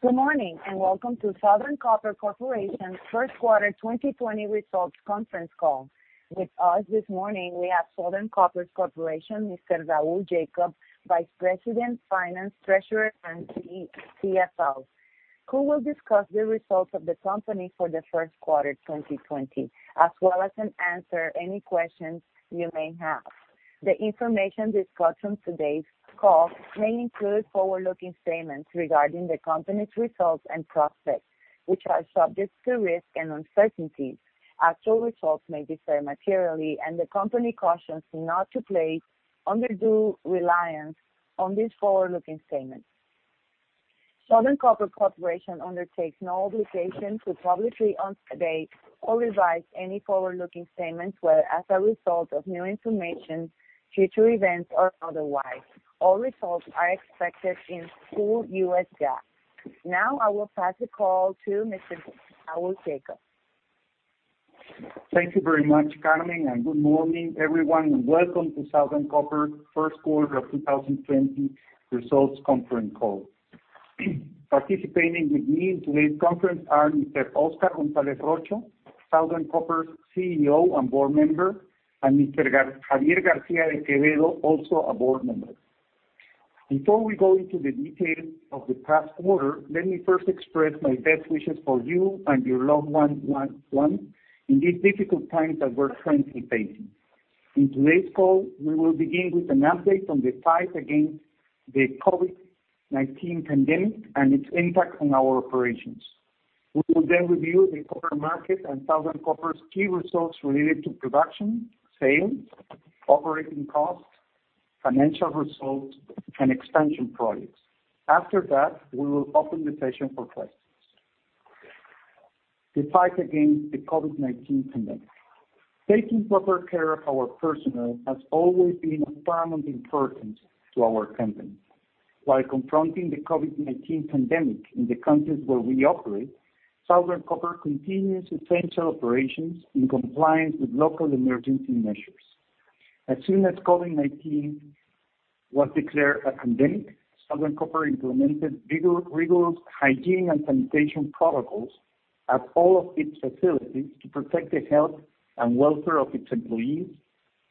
Good morning and welcome to Southern Copper Corporation's First Quarter 2020 Results Conference Call. With us this morning, we have Southern Copper Corporation, Mr. Raul Jacob, Vice President, Finance, Treasurer, and CFO, who will discuss the results of the company for the first quarter 2020, as well as answer any questions you may have. The information discussed on today's call may include forward-looking statements regarding the company's results and prospects, which are subject to risk and uncertainties. Actual results may differ materially, and the company cautions not to place undue reliance on these forward-looking statements. Southern Copper Corporation undertakes no obligation to publicly update or revise any forward-looking statements whether as a result of new information, future events, or otherwise. All results are expressed in full USD. Now, I will pass the call to Mr. Raul Jacob. Thank you very much, Carmen, and good morning, everyone, and welcome to Southern Copper's first quarter of 2020 results conference call. Participating with me in today's conference are Mr. Oscar González Rocha, Southern Copper's CEO and board member, and Mr. Xavier García de Quevedo, also a board member. Before we go into the details of the past quarter, let me first express my best wishes for you and your loved ones in these difficult times that we're currently facing. In today's call, we will begin with an update on the fight against the COVID-19 pandemic and its impact on our operations. We will then review the copper market and Southern Copper's key results related to production, sales, operating costs, financial results, and expansion projects. After that, we will open the session for questions. The fight against the COVID-19 pandemic. Taking proper care of our personnel has always been of paramount importance to our company. While confronting the COVID-19 pandemic in the countries where we operate, Southern Copper continues essential operations in compliance with local emergency measures. As soon as COVID-19 was declared a pandemic, Southern Copper implemented rigorous hygiene and sanitation protocols at all of its facilities to protect the health and welfare of its employees,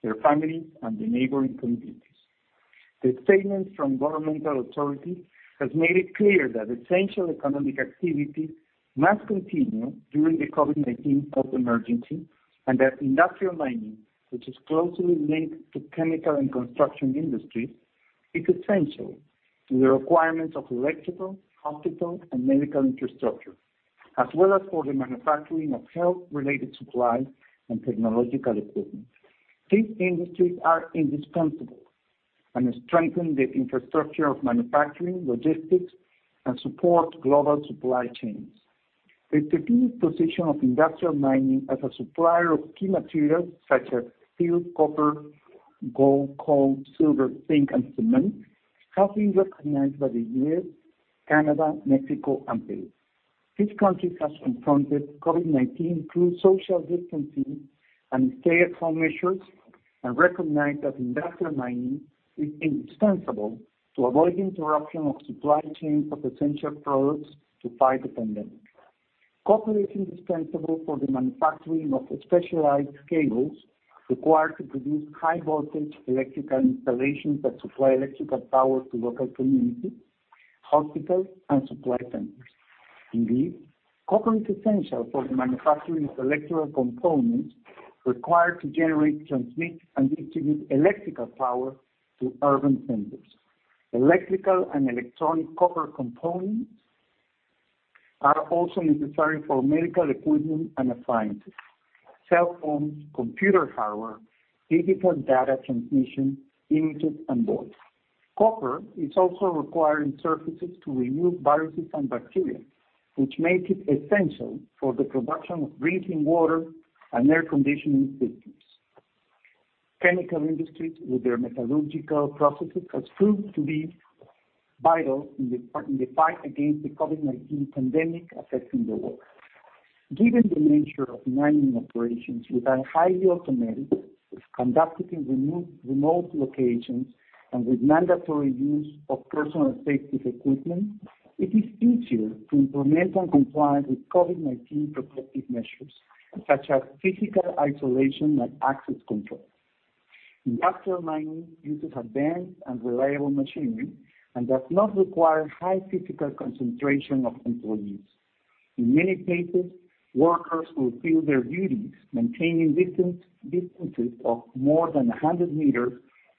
their families, and the neighboring communities. The statements from governmental authorities have made it clear that essential economic activity must continue during the COVID-19 health emergency and that industrial mining, which is closely linked to chemical and construction industries, is essential to the requirements of electrical, hospital, and medical infrastructure, as well as for the manufacturing of health-related supplies and technological equipment. These industries are indispensable and strengthen the infrastructure of manufacturing, logistics, and support global supply chains. The strategic position of industrial mining as a supplier of key materials such as steel, copper, gold, coal, silver, zinc, and cement has been recognized by the U.S., Canada, Mexico, and Peru. These countries have confronted COVID-19 through social distancing and stay-at-home measures and recognize that industrial mining is indispensable to avoid interruption of supply chains of essential products to fight the pandemic. Copper is indispensable for the manufacturing of specialized cables required to produce high-voltage electrical installations that supply electrical power to local communities, hospitals, and supply centers. Indeed, copper is essential for the manufacturing of electrical components required to generate, transmit, and distribute electrical power to urban centers. Electrical and electronic copper components are also necessary for medical equipment and appliances, cell phones, computer hardware, digital data transmission, Bluetooth, and voice. Copper is also required in surfaces to remove viruses and bacteria, which make it essential for the production of drinking water and air conditioning systems. Chemical industries, with their metallurgical processes, have proved to be vital in the fight against the COVID-19 pandemic affecting the world. Given the nature of mining operations that are highly automated, conducted in remote locations, and with mandatory use of personal safety equipment, it is easier to implement and comply with COVID-19 protective measures, such as physical isolation and access control. Industrial mining uses advanced and reliable machinery and does not require high physical concentration of employees. In many cases, workers will fill their duties maintaining distances of more than 100 meters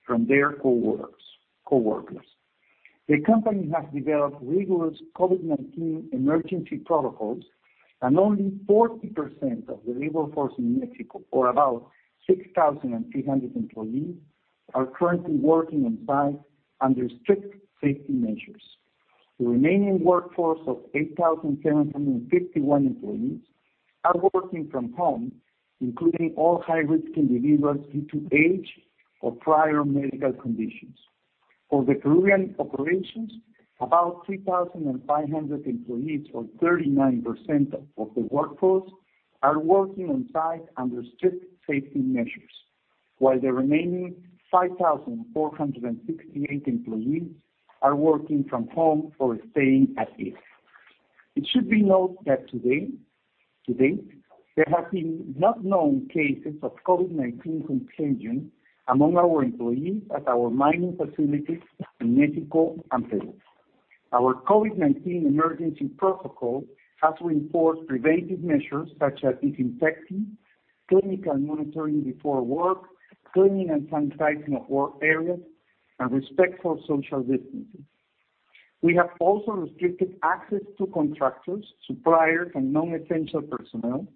from their coworkers. The company has developed rigorous COVID-19 emergency protocols, and only 40% of the labor force in Mexico, or about 6,300 employees, are currently working on-site under strict safety measures. The remaining workforce of 8,751 employees are working from home, including all high-risk individuals due to age or prior medical conditions. For the Peruvian operations, about 3,500 employees, or 39% of the workforce, are working on-site under strict safety measures, while the remaining 5,468 employees are working from home or staying at work. It should be noted that today, there have been no known cases of COVID-19 contagion among our employees at our mining facilities in Mexico and Peru. Our COVID-19 emergency protocol has reinforced preventive measures such as disinfecting, clinical monitoring before work, cleaning and sanitizing of work areas, and respect for social distancing. We have also restricted access to contractors, suppliers, and non-essential personnel,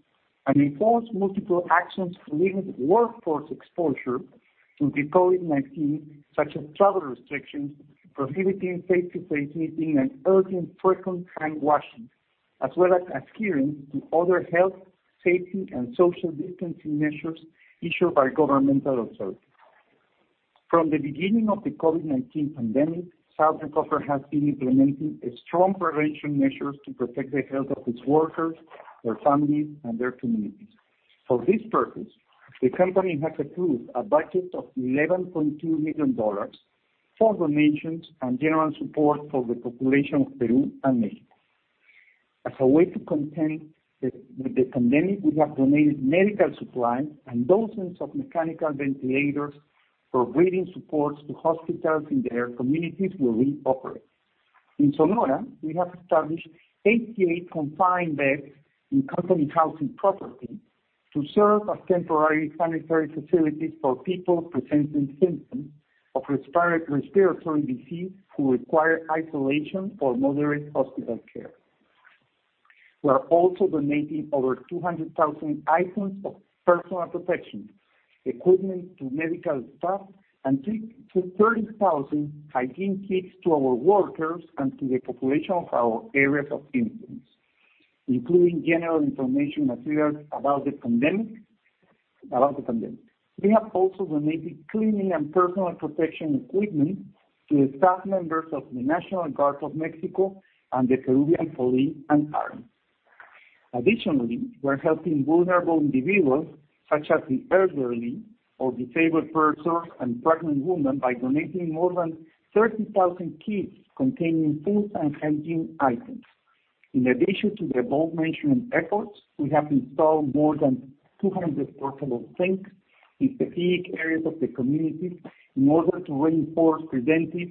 and enforced multiple actions to limit workforce exposure to the COVID-19, such as travel restrictions, prohibiting face-to-face meetings, and urgent frequent handwashing, as well as adherence to other health, safety, and social distancing measures issued by governmental authorities. From the beginning of the COVID-19 pandemic, Southern Copper has been implementing strong prevention measures to protect the health of its workers, their families, and their communities. For this purpose, the company has approved a budget of $11.2 million for donations and general support for the population of Peru and Mexico. As a way to contend with the pandemic, we have donated medical supplies and dozens of mechanical ventilators for breathing supports to hospitals in their communities where we operate. In Sonora, we have established 88 confined beds in company housing property to serve as temporary sanitary facilities for people presenting symptoms of respiratory disease who require isolation or moderate hospital care. We are also donating over 200,000 items of personal protective equipment to medical staff, and 30,000 hygiene kits to our workers and to the population of our areas of influence, including general information materials about the pandemic. We have also donated cleaning and personal protective equipment to the staff members of the National Guard of Mexico and the Peruvian police and army. Additionally, we're helping vulnerable individuals such as the elderly or disabled persons and pregnant women by donating more than 30,000 kits containing food and hygiene items. In addition to the above-mentioned efforts, we have installed more than 200 portable sinks in strategic areas of the communities in order to reinforce preventive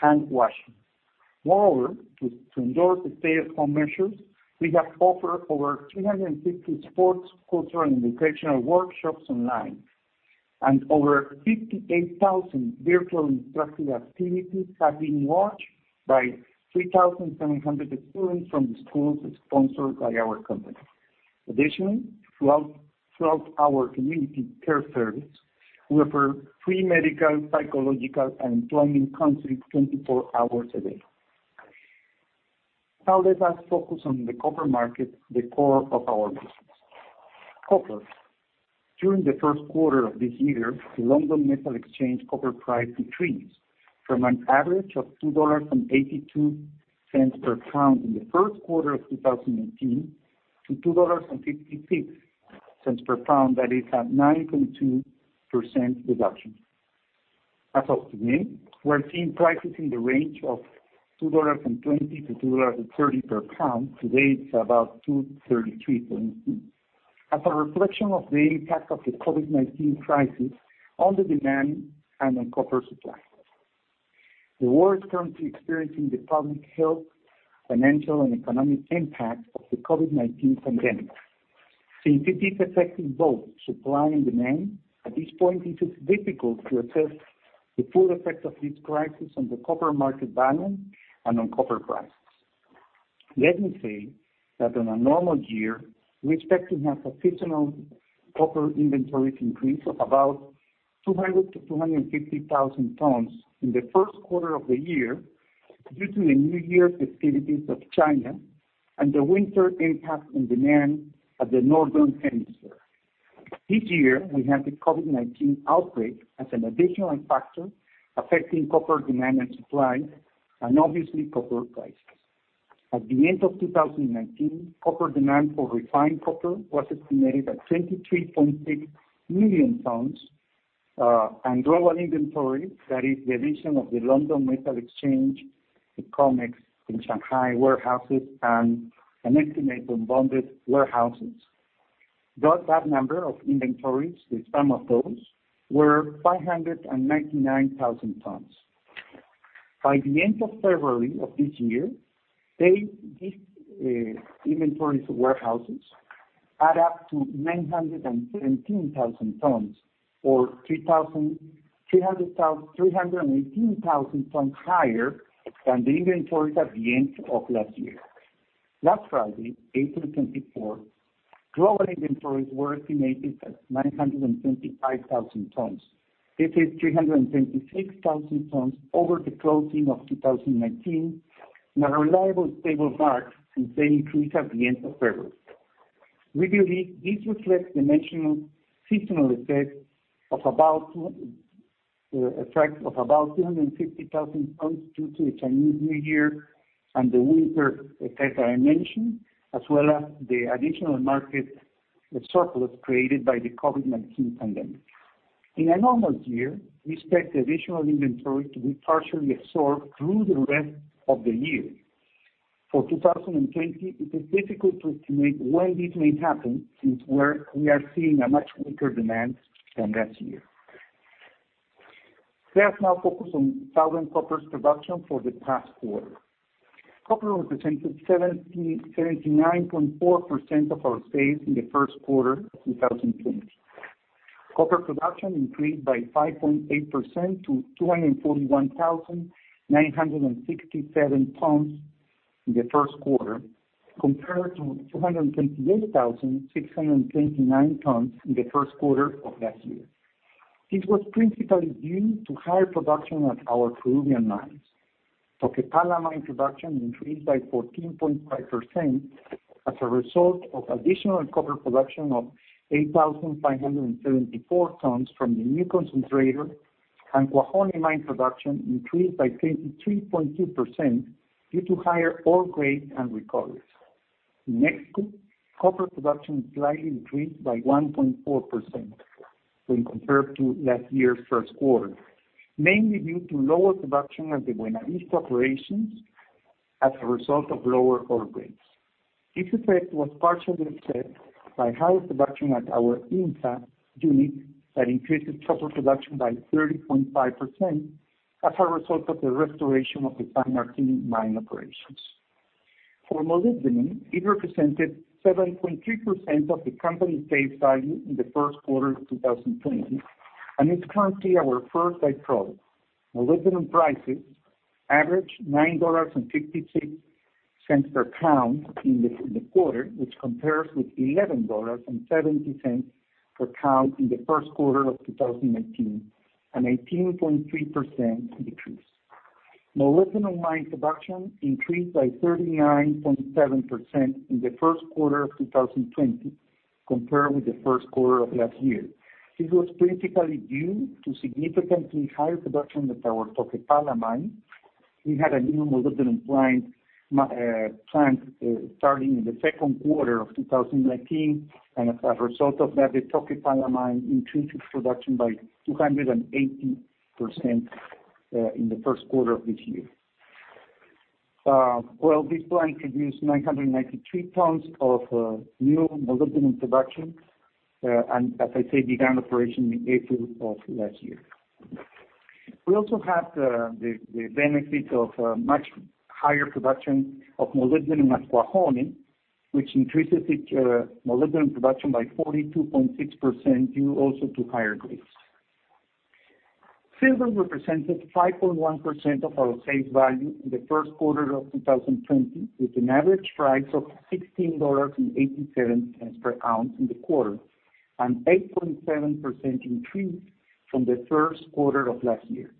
handwashing. Moreover, to endorse the stay-at-home measures, we have offered over 350 sports, cultural, and recreational workshops online, and over 58,000 virtual instructional activities have been launched by 3,700 students from the schools sponsored by our company. Additionally, throughout our Community Care Service, we offer free medical, psychological, and employment counseling 24 hours a day. Now, let us focus on the copper market, the core of our business. Copper. During the first quarter of this year, the London Metal Exchange copper price decreased from an average of $2.82 per pound in the first quarter of 2018 to $2.56 per pound. That is a 9.2% reduction. As of today, we're seeing prices in the range of $2.20-$2.30 per pound. Today, it's about $2.33, for instance, as a reflection of the impact of the COVID-19 crisis on the demand and the copper supply. The world is currently experiencing the public health, financial, and economic impact of the COVID-19 pandemic. Since it is affecting both supply and demand, at this point, it is difficult to assess the full effect of this crisis on the copper market value and on copper prices. Let me say that on a normal year, we expect to have additional copper inventories increase of about 200,000-250,000 tons in the first quarter of the year due to the New Year's festivities of China and the winter impact on demand at the northern hemisphere. This year, we had the COVID-19 outbreak as an additional factor affecting copper demand and supply, and obviously, copper prices. At the end of 2019, copper demand for refined copper was estimated at 23.6 million tons, and global inventory, that is the addition of the London Metal Exchange, the COMEX in Shanghai warehouses, and an estimate on bonded warehouses, got that number of inventories. The sum of those was 599,000 tons. By the end of February of this year, these inventories of warehouses add up to 917,000 tons, or 318,000 tons higher than the inventories at the end of last year. Last Friday, April 24, global inventories were estimated at 925,000 tons. This is 326,000 tons over the closing of 2019, and a reliable, stable mark since they increased at the end of February. We believe this reflects the seasonal effect of about 250,000 tons due to the Chinese New Year and the winter, etc., I mentioned, as well as the additional market surplus created by the COVID-19 pandemic. In a normal year, we expect the additional inventory to be partially absorbed through the rest of the year. For 2020, it is difficult to estimate when this may happen since we are seeing a much weaker demand than last year. Let us now focus on Southern Copper's production for the past quarter. Copper represented 79.4% of our sales in the first quarter of 2020. Copper production increased by 5.8% to 241,967 tons in the first quarter, compared to 228,629 tons in the first quarter of last year. This was principally due to higher production at our Peruvian mines. Toquepala mine production increased by 14.5% as a result of additional copper production of 8,574 tons from the new concentrator, and Cuajone mine production increased by 23.2% due to higher ore grades and recoveries. In Mexico, copper production slightly decreased by 1.4% when compared to last year's first quarter, mainly due to lower production at the Buenavista operations as a result of lower ore grades. This effect was partially affected by higher production at our IMMSA unit that increased copper production by 30.5% as a result of the restoration of the San Martín mine operations. For molybdenum, it represented 7.3% of the company's revenue in the first quarter of 2020, and it's currently our flagship product. Molybdenum prices averaged $9.56 per pound in the quarter, which compares with $11.70 per pound in the first quarter of 2019, an 18.3% decrease. Molybdenum mine production increased by 39.7% in the first quarter of 2020 compared with the first quarter of last year. This was principally due to significantly higher production at our Toquepala mine. We had a new molybdenum plant starting in the second quarter of 2019, and as a result of that, the Toquepala mine increased its production by 280% in the first quarter of this year. This plant produced 993 tons of new molybdenum production, and as I said, began operation in April of last year. We also had the benefit of much higher production of molybdenum at Cuajone, which increases its molybdenum production by 42.6% due also to higher grades. Silver represented 5.1% of our face value in the first quarter of 2020, with an average price of $16.87 per ounce in the quarter, an 8.7% increase from the first quarter of last year.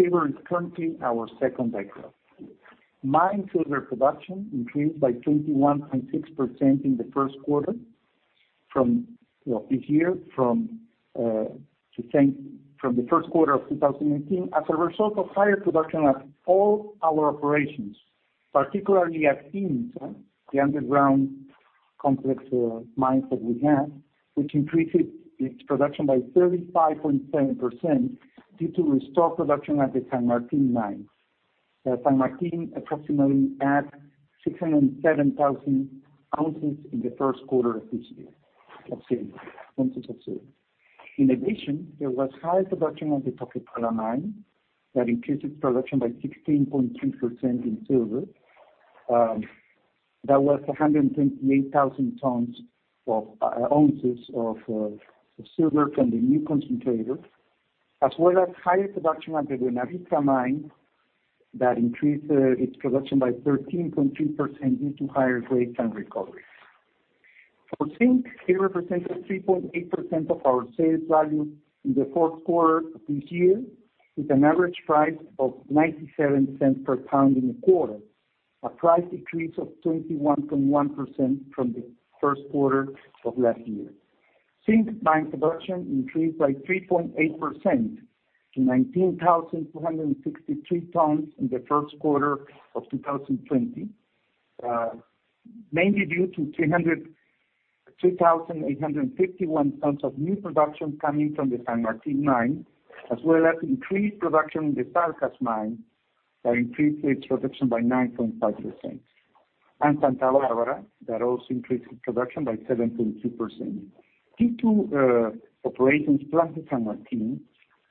Silver is currently our second largest product. Mined silver production increased by 21.6% in the first quarter of this year from the first quarter of 2019 as a result of higher production at all our operations, particularly at IMMSA, the underground complex mines that we have, which increased its production by 35.7% due to restored production at the San Martín mine. San Martín approximately added 607,000 ounces in the first quarter of this year of silver. In addition, there was higher production at the Toquepala mine that increased its production by 16.3% in silver. That was 128,000 ounces of silver from the new concentrator, as well as higher production at the Buenavista mine that increased its production by 13.3% due to higher grades and recoveries. For zinc, it represented 3.8% of our sales value in the fourth quarter of this year, with an average price of $0.97 per pound in the quarter, a price decrease of 21.1% from the first quarter of last year. Zinc mine production increased by 3.8% to 19,263 tons in the first quarter of 2020, mainly due to 2,851 tons of new production coming from the San Martín mine, as well as increased production in the Charcas mine that increased its production by 9.5%, and Santa Bárbara that also increased its production by 7.2%. These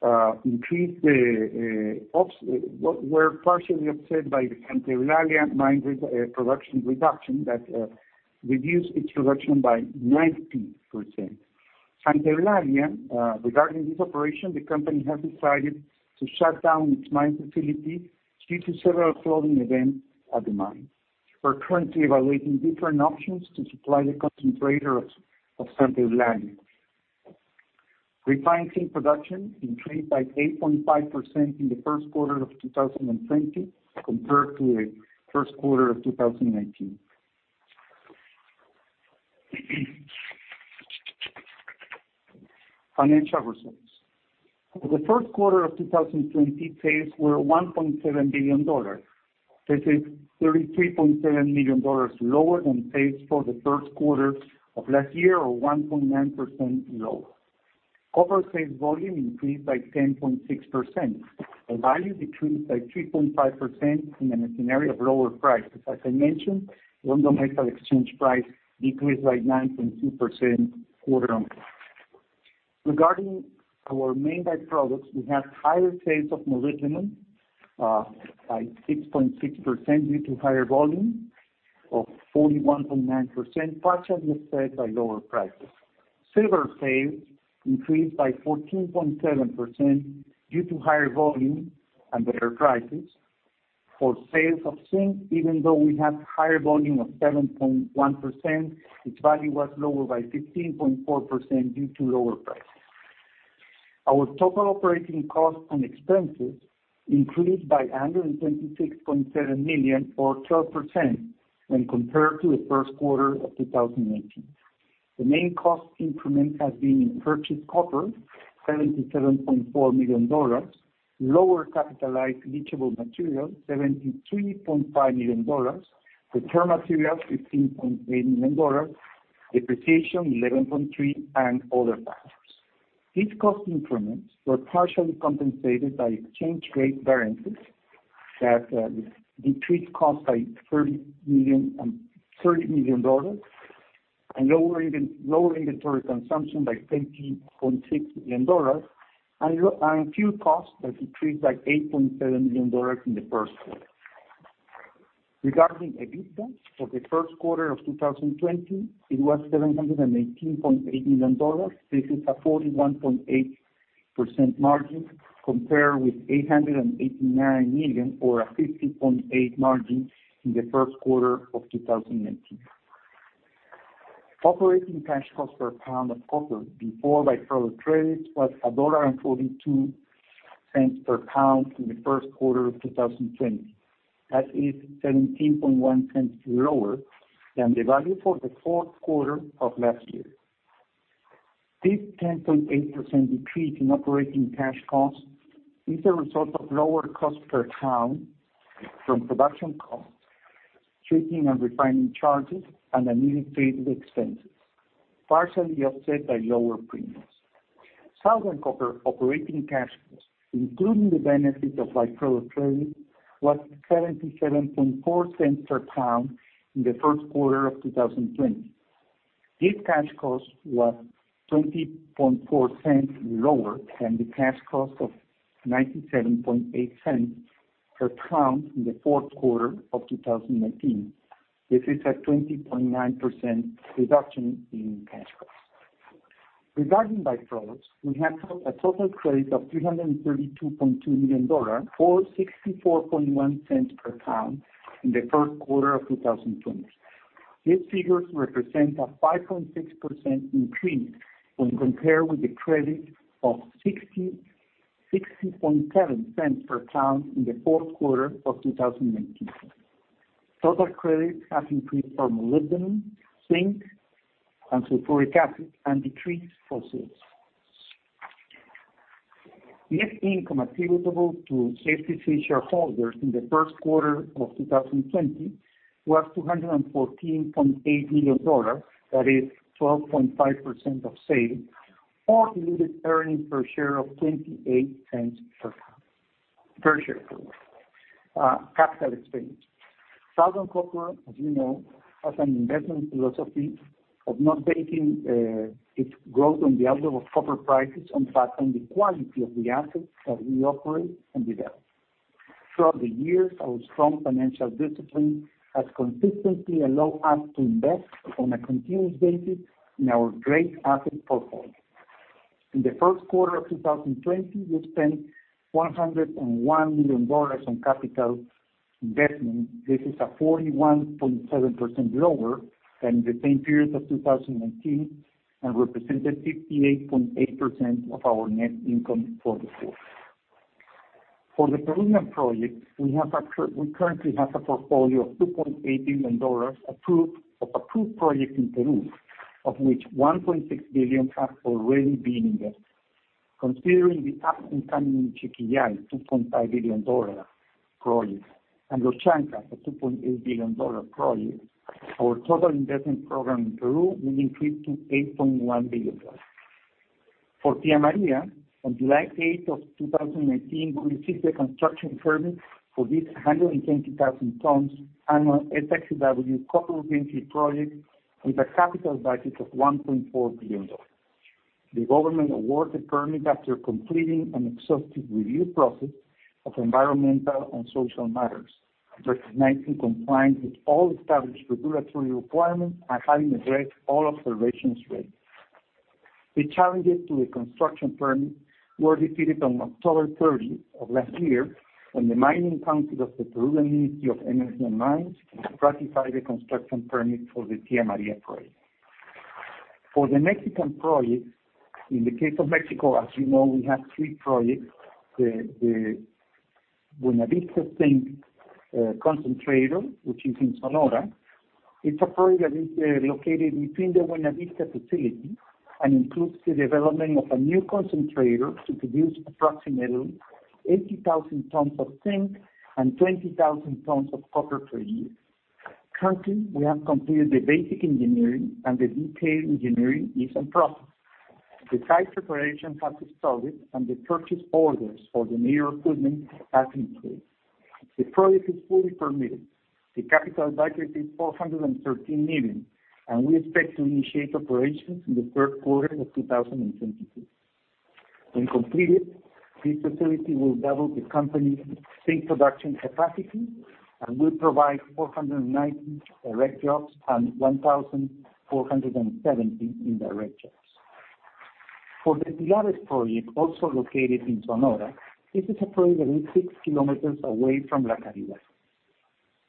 were partially offset by the Santa Eulalia mine production reduction that reduced its production by 90%. Santa Eulalia, regarding this operation, the company has decided to shut down its mine facility due to several flooding events at the mine. We're currently evaluating different options to supply the concentrator of Santa Eulalia. Refining production increased by 8.5% in the first quarter of 2020 compared to the first quarter of 2019. Financial results. For the first quarter of 2020, sales were $1.7 billion. This is $33.7 million lower than sales for the first quarter of last year, or 1.9% lower. Copper sales volume increased by 10.6%. The value decreased by 3.5% in a scenario of lower prices. As I mentioned, London Metal Exchange price decreased by 9.2% quarter on quarter. Regarding our by-products, we had higher sales of molybdenum by 6.6% due to higher volume of 41.9%, partially offset by lower prices. Silver sales increased by 14.7% due to higher volume and better prices. For sales of zinc, even though we had higher volume of 7.1%, its value was lower by 15.4% due to lower prices. Our total operating costs and expenses increased by $126.7 million, or 12%, when compared to the first quarter of 2019. The main cost increment has been in purchased copper, $77.4 million, lower capitalized leachable material, $73.5 million, other materials, $15.8 million, depreciation, $11.3 million, and other factors. These cost increments were partially compensated by exchange rate variances that decreased costs by $30 million, and lower inventory consumption by $30.6 million, and fuel costs that decreased by $8.7 million in the first quarter. Regarding EBITDA, for the first quarter of 2020, it was $718.8 million. This is a 41.8% margin compared with $889 million, or a 50.8% margin in the first quarter of 2019. Operating cash cost per pound of copper before by-product credits was $1.42 per pound in the first quarter of 2020. That is $0.171 lower than the value for the fourth quarter of last year. This 10.8% decrease in operating cash cost is a result of lower cost per pound from production costs, treatment and refining charges, and unnecessary expenses, partially offset by lower premiums. Southern Copper operating cash cost, including the benefit of by-product credits, was $0.774 per pound in the first quarter of 2020. This cash cost was $0.204 lower than the cash cost of $0.978 per pound in the fourth quarter of 2019. This is a 20.9% reduction in cash costs. Regarding by-products, we had a total credit of $332.2 million, or $0.641 per pound in the first quarter of 2020. These figures represent a 5.6% increase when compared with the credit of $0.607 per pound in the fourth quarter of 2019. Total credits have increased for molybdenum, zinc, and sulfuric acid, and decreased for silver. Net income attributable to the Company's shareholders in the first quarter of 2020 was $214.8 million. That is 12.5% of sales, or diluted earnings per share of $0.28 per share. Capital expenditure. Southern Copper, as you know, has an investment philosophy of not basing its growth on the outlook of copper prices but on the quality of the assets that we operate and develop. Throughout the years, our strong financial discipline has consistently allowed us to invest in a continuous basis in our great asset portfolio. In the first quarter of 2020, we spent $101 million on capital investment. This is 41.7% lower than in the same period of 2019 and represented 58.8% of our net income for the quarter. For the Peruvian projects, we currently have a portfolio of $2.8 billion of approved projects in Peru, of which $1.6 billion has already been invested. Considering the up-and-coming Michiquillay, $2.5 billion project, and Los Chancas, a $2.8 billion project, our total investment program in Peru will increase to $8.1 billion. For Tía María, on July 8th of 2019, we received a construction permit for this 120,000 tons annual SX-EW copper greenfield project with a capital budget of $1.4 billion. The government awarded the permit after completing an exhaustive review process of environmental and social matters, recognizing compliance with all established regulatory requirements and having addressed all observations raised. The challenges to the construction permit were defeated on October 30th of last year when the mining council of the Peruvian Ministry of Energy and Mines ratified the construction permit for the Tía María project. For the Mexican projects, in the case of Mexico, as you know, we have three projects. The Buenavista zinc concentrator, which is in Sonora, it's a project that is located between the Buenavista facility and includes the development of a new concentrator to produce approximately 80,000 tons of zinc and 20,000 tons of copper per year. Currently, we have completed the basic engineering, and the detailed engineering is in process. The site preparation has started, and the purchase orders for the new equipment have increased. The project is fully permitted. The capital budget is $413 million, and we expect to initiate operations in the third quarter of 2022. When completed, this facility will double the company's zinc production capacity and will provide 419 direct jobs and 1,470 indirect jobs. For the Pilares project, also located in Sonora, this is a project that is 6 kilometers away from La Caridad.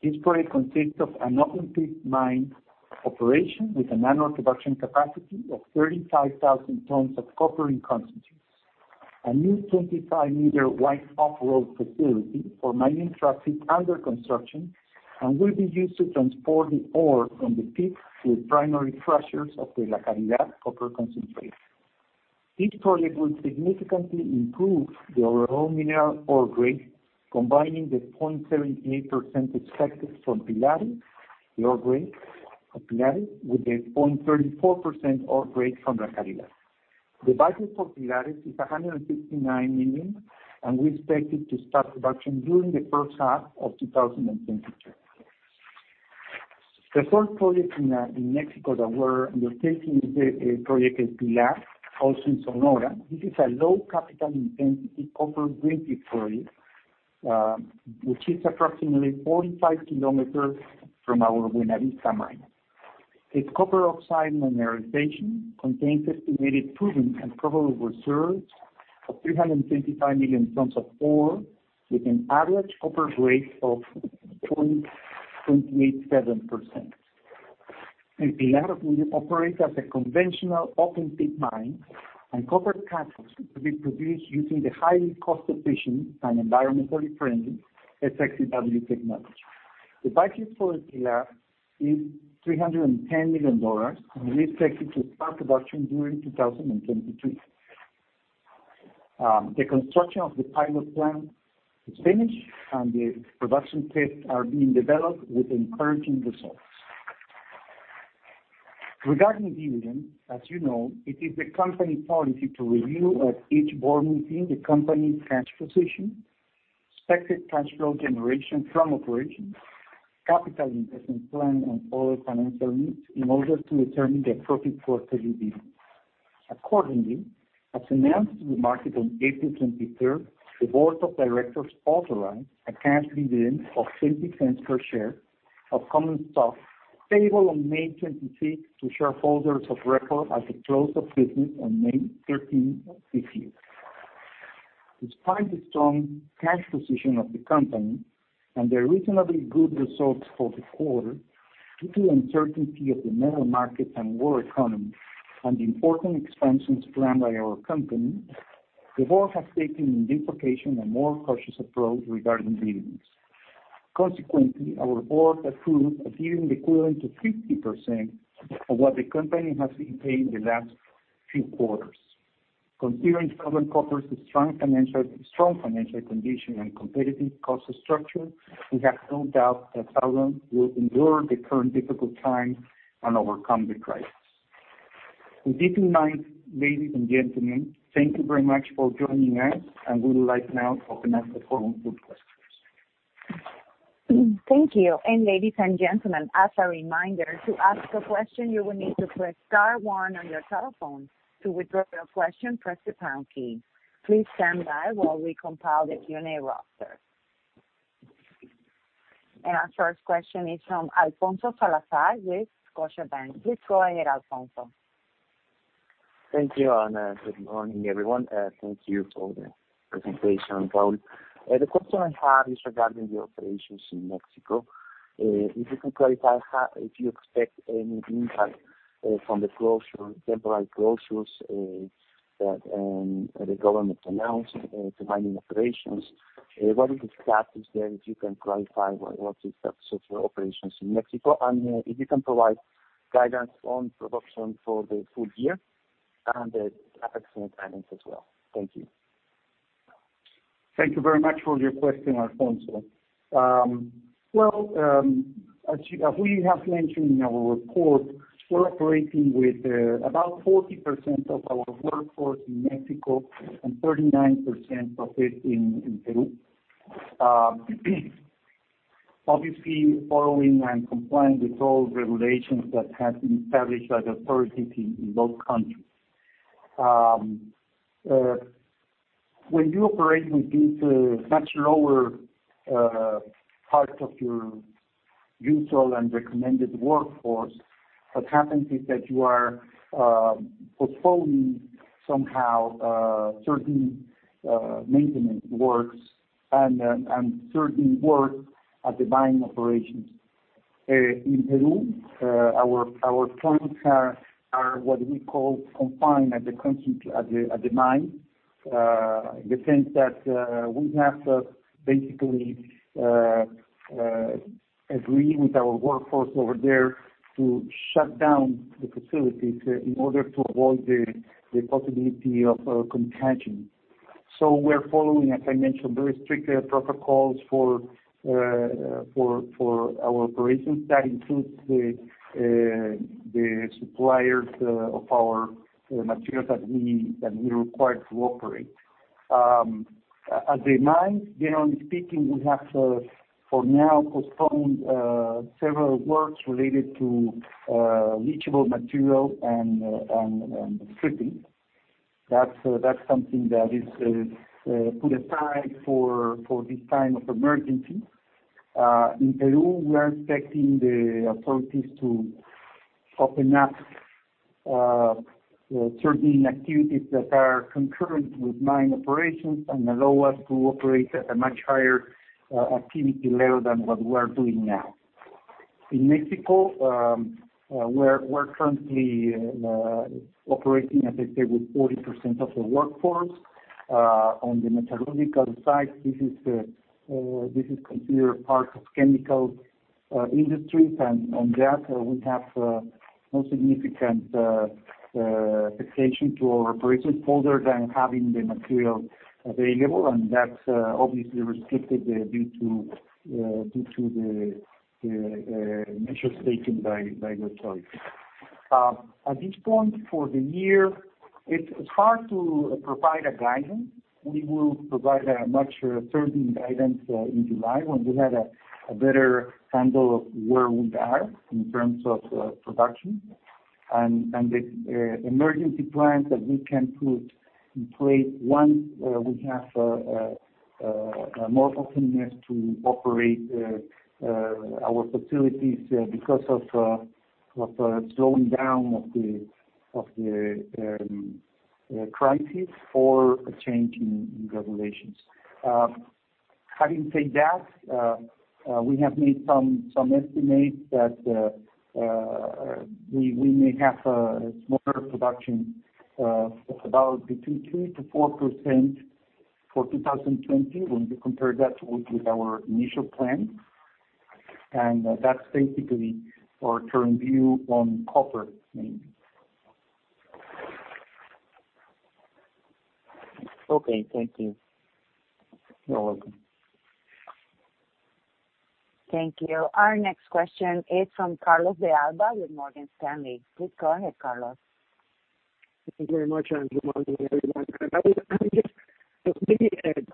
This project consists of an open-pit mine operation with an annual production capacity of 35,000 tons of copper in concentrate, a new 25-meter wide off-road facility for mining trucks under construction, and will be used to transport the ore from the pit to the primary crushers of the La Caridad copper concentrator. This project will significantly improve the overall ore grade, combining the 0.78% expected from Pilares, the ore grade of Pilares, with the 0.34% ore grade from La Caridad. The budget for Pilares is $169 million, and we expect it to start production during the first half of 2022. The fourth project in Mexico that we're undertaking is the project El Pilar, also in Sonora. This is a low capital-intensity copper leaching project, which is approximately 45 kilometers from our Buenavista mine. Its copper oxide mineralization contains estimated proven and probable reserves of 325 million tons of ore, with an average copper grade of 28.7%. El Pilar operates as a conventional open-pit mine, and copper cathode is to be produced using the highly cost-efficient and environmentally friendly SX-EW technology. The budget for El Pilar is $310 million, and we expect it to start production during 2022. The construction of the pilot plant is finished, and the production tests are being developed with encouraging results. Regarding dividends, as you know, it is the company's policy to review at each board meeting the company's cash position, expected cash flow generation from operations, capital investment plan, and other financial needs in order to determine the appropriate quarterly dividend. Accordingly, as announced to the market on April 23rd, the board of directors authorized a cash dividend of $0.20 per share of common stock, payable on May 26th to shareholders of record at the close of business on May 13th of this year. Despite the strong cash position of the company and the reasonably good results for the quarter, due to the uncertainty of the metal markets and world economy and the important expansions planned by our company, the board has taken in this occasion a more cautious approach regarding dividends. Consequently, our board approved a dividend equivalent to 50% of what the company has been paying the last few quarters. Considering Southern Copper's strong financial condition and competitive cost structure, we have no doubt that Southern will endure the current difficult time and overcome the crisis. With this in mind, ladies and gentlemen, thank you very much for joining us, and we would like now to open up the forum for questions. Thank you. And ladies and gentlemen, as a reminder, to ask a question, you will need to press star one on your telephone. To withdraw your question, press the pound key. Please stand by while we compile the Q&A roster. And our first question is from Alfonso Salazar with Scotiabank. Please go ahead, Alfonso. Thank you and good morning, everyone. Thank you for the presentation, Raul. The question I have is regarding the operations in Mexico. If you can clarify if you expect any impact from the temporary closures that the government announced to mining operations, what is the status there? If you can clarify what is the status of your operations in Mexico, and if you can provide guidance on production for the full year and the taxation guidance as well? Thank you. Thank you very much for your question, Alfonso. Well, as we have mentioned in our report, we're operating with about 40% of our workforce in Mexico and 39% of it in Peru. Obviously, following and complying with all regulations that have been established by the authorities in both countries. When you operate with these much lower parts of your usual and recommended workforce, what happens is that you are postponing somehow certain maintenance works and certain works at the mining operations. In Peru, our plants are what we call confined at the mine, in the sense that we have basically agreed with our workforce over there to shut down the facilities in order to avoid the possibility of contention. So we're following, as I mentioned, very strict protocols for our operations that include the suppliers of our materials that we require to operate. At the mines, generally speaking, we have for now postponed several works related to leachable material and stripping. That's something that is put aside for this time of emergency. In Peru, we are expecting the authorities to open up certain activities that are concurrent with mine operations and allow us to operate at a much higher activity level than what we are doing now. In Mexico, we're currently operating, as I said, with 40% of the workforce. On the metallurgical side, this is considered part of chemical industries, and on that, we have no significant expectation to our operations other than having the material available, and that's obviously restricted due to the measures taken by the authorities. At this point for the year, it's hard to provide a guidance. We will provide a much certain guidance in July when we have a better handle of where we are in terms of production, and the emergency plans that we can put in place once we have more openness to operate our facilities because of the slowing down of the crisis or a change in regulations. Having said that, we have made some estimates that we may have a smaller production of about between 3%-4% for 2020 when we compare that with our initial plan, and that's basically our current view on copper mining. Okay. Thank you. You're welcome. Thank you. Our next question is from Carlos de Alba with Morgan Stanley. Please go ahead, Carlos. Thank you very much and good morning everyone. I'm just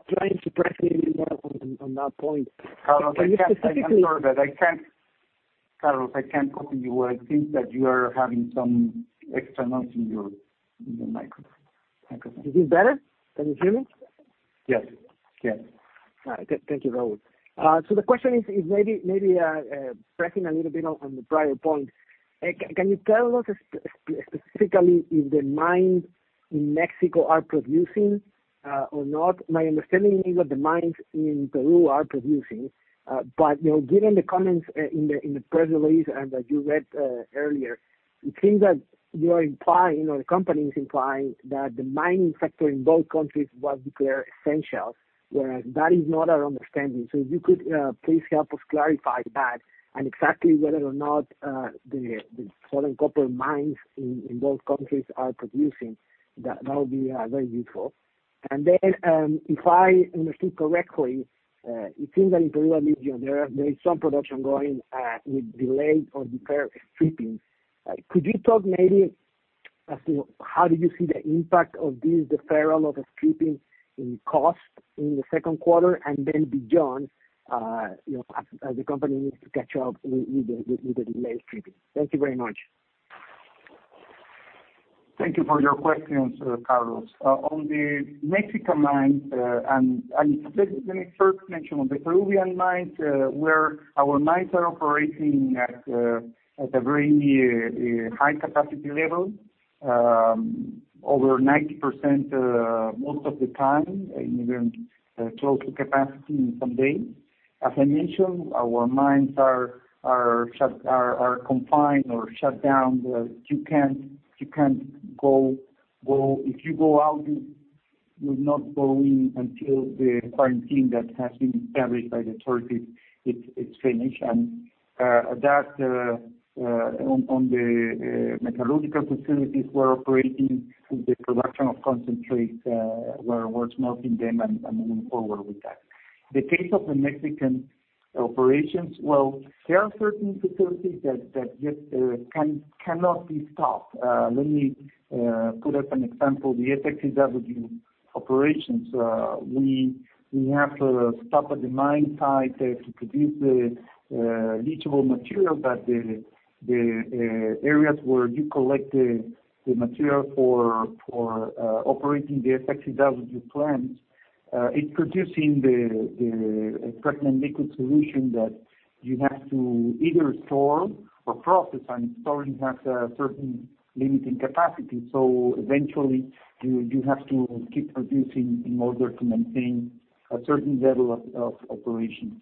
trying to press a little bit more on that point. I can't hear you. It seems that you are having some external noise in your microphone. Is this better? Can you hear me? Yes. Yes. All right. Thank you, Raul. So the question is maybe pressing a little bit on the prior point. Can you tell us specifically if the mines in Mexico are producing or not? My understanding is that the mines in Peru are producing, but given the comments in the press release that you read earlier, it seems that you are implying, or the company is implying, that the mining sector in both countries was declared essential, whereas that is not our understanding. So if you could please help us clarify that and exactly whether or not the Southern Copper mines in both countries are producing, that would be very useful. And then if I understood correctly, it seems that in Peru at least there is some production going with delayed or deferred stripping. Could you talk maybe as to how do you see the impact of this deferral of stripping in cost in the second quarter and then beyond as the company needs to catch up with the delayed stripping? Thank you very much. Thank you for your questions, Carlos. On the Mexican mines, and let me first mention on the Peruvian mines, where our mines are operating at a very high capacity level, over 90% most of the time, even close to capacity in some days. As I mentioned, our mines are confined or shut down. You can't go if you go out, you're not going until the quarantine that has been established by the authorities is finished, and that on the metallurgical facilities, we're operating with the production of concentrates where we're smelting them and moving forward with that. In the case of the Mexican operations, well, there are certain facilities that just cannot be stopped. Let me put up an example. The SX-EW operations, we have stopped at the mine site to produce the leachable material, but the areas where you collect the material for operating the SX-EW plants, it's producing the pregnant liquid solution that you have to either store or process, and storing has a certain limit in capacity, so eventually, you have to keep producing in order to maintain a certain level of operation.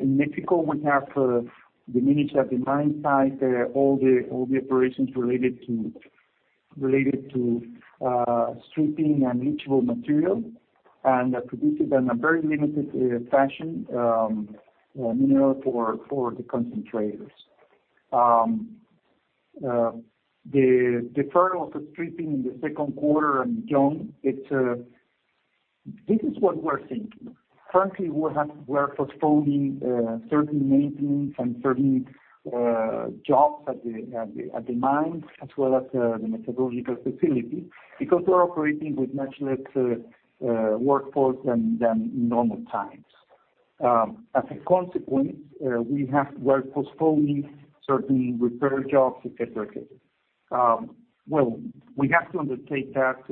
In Mexico, we have diminished at the mine site all the operations related to stripping and leachable material and produced in a very limited fashion mineral for the concentrators. The deferral of the stripping in the second quarter and beyond. This is what we're thinking. Currently, we're postponing certain maintenance and certain jobs at the mines as well as the metallurgical facilities because we're operating with much less workforce than normal times. As a consequence, we have postponed certain deferred jobs, etc., etc. We have to undertake that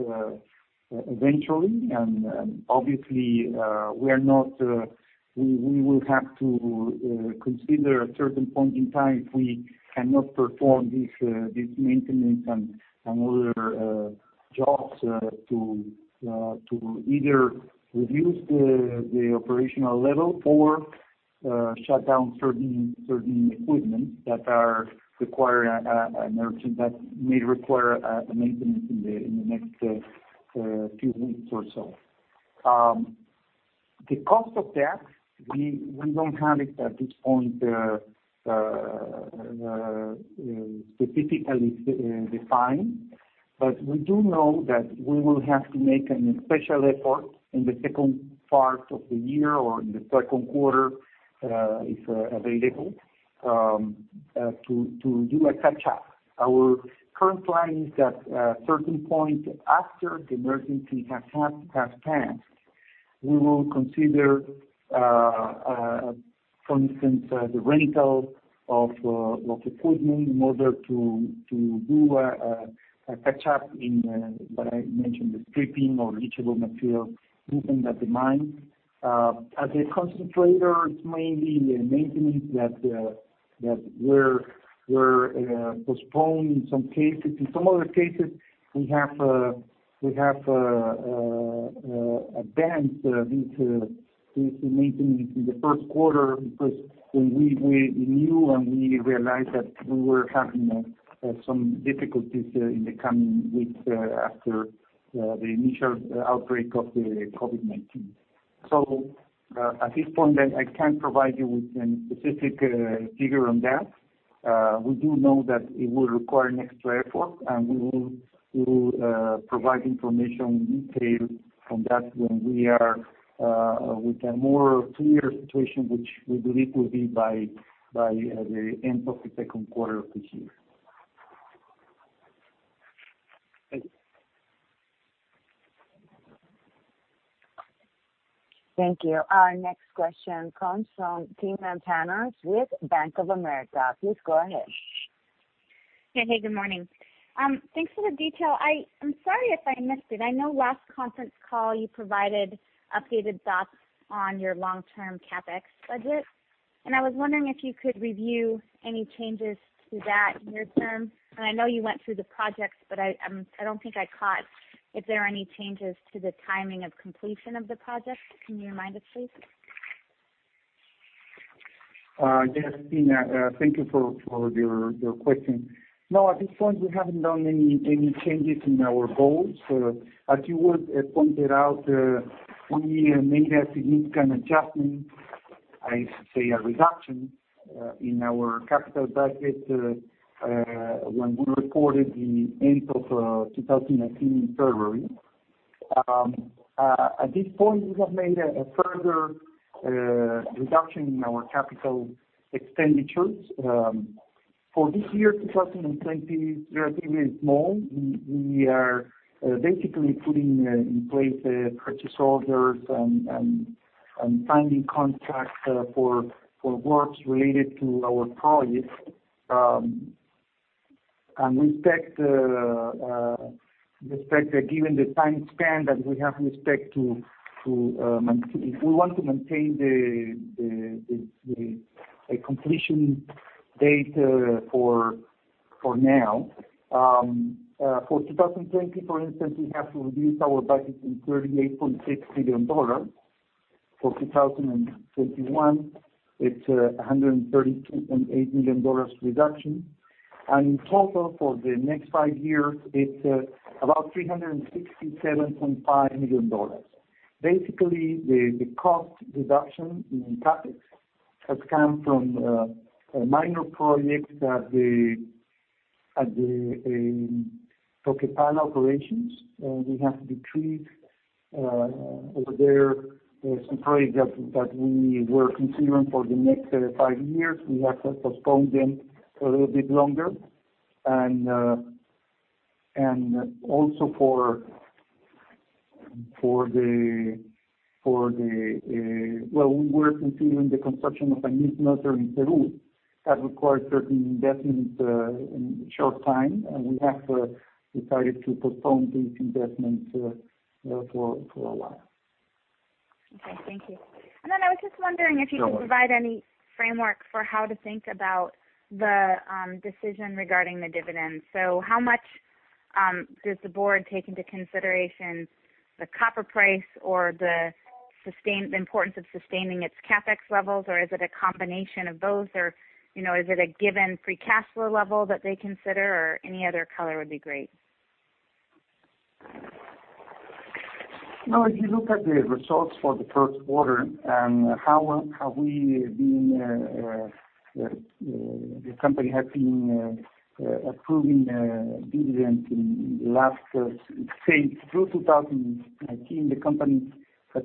eventually, and obviously, we will have to consider a certain point in time if we cannot perform this maintenance and other jobs to either reduce the operational level or shut down certain equipment that may require maintenance in the next few weeks or so. The cost of that, we don't have it at this point specifically defined, but we do know that we will have to make a special effort in the second part of the year or in the second quarter if available to do a catch-up. Our current plan is that at a certain point after the emergency has passed, we will consider, for instance, the rental of equipment in order to do a catch-up in what I mentioned, the stripping or leachable material movement at the mine. At the concentrator, it's mainly maintenance that we're postponing. In some cases, in some other cases, we have advanced this maintenance in the first quarter because when we reviewed and we realized that we were having some difficulties in the coming weeks after the initial outbreak of the COVID-19. So at this point, I can't provide you with any specific figure on that. We do know that it will require an extra effort, and we will provide information in detail on that when we are with a more clear situation, which we believe will be by the end of the second quarter of this year. Thank you. Thank you. Our next question comes from Timna Tanners with Bank of America. Please go ahead. Hey, hey. Good morning. Thanks for the detail. I'm sorry if I missed it. I know last conference call you provided updated thoughts on your long-term CapEx budget, and I was wondering if you could review any changes to that near term. And I know you went through the projects, but I don't think I caught if there are any changes to the timing of completion of the projects. Can you remind us, please? Yes, Timna, thank you for your question. No, at this point, we haven't done any changes in our goals. As you pointed out, we made a significant adjustment, I should say a reduction, in our capital budget when we reported the end of 2019 in February. At this point, we have made a further reduction in our capital expenditures. For this year, 2020, it's relatively small. We are basically putting in place purchase orders and signing contracts for works related to our projects. And we expect, given the time span that we have, we want to maintain the completion date for now. For 2020, for instance, we have to reduce our budget in $38.6 billion. For 2021, it's a $132.8 million reduction. And in total, for the next five years, it's about $367.5 million. Basically, the cost reduction in CapEx has come from minor projects at the Toquepala operations. We have decreased over there some projects that we were considering for the next five years. We have postponed them a little bit longer, and also for the, well, we were considering the construction of a new smelter in Peru that requires certain investments in short time, and we have decided to postpone these investments for a while. Okay. Thank you, and then I was just wondering if you can provide any framework for how to think about the decision regarding the dividends, so how much does the board take into consideration the copper price or the importance of sustaining its CapEx levels, or is it a combination of those, or is it a given free cash flow level that they consider, or any other color would be great? If you look at the results for the first quarter and how the company has been approving dividends in the last, say, through 2019, the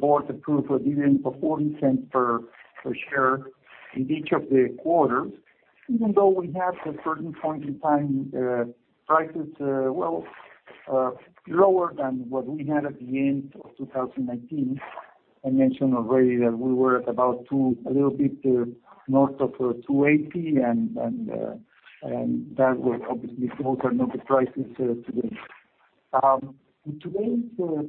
board approved a dividend of $0.40 per share in each of the quarters, even though we had at a certain point in time prices, well, lower than what we had at the end of 2019. I mentioned already that we were at about a little bit north of 280, and that was obviously also another price today. Today's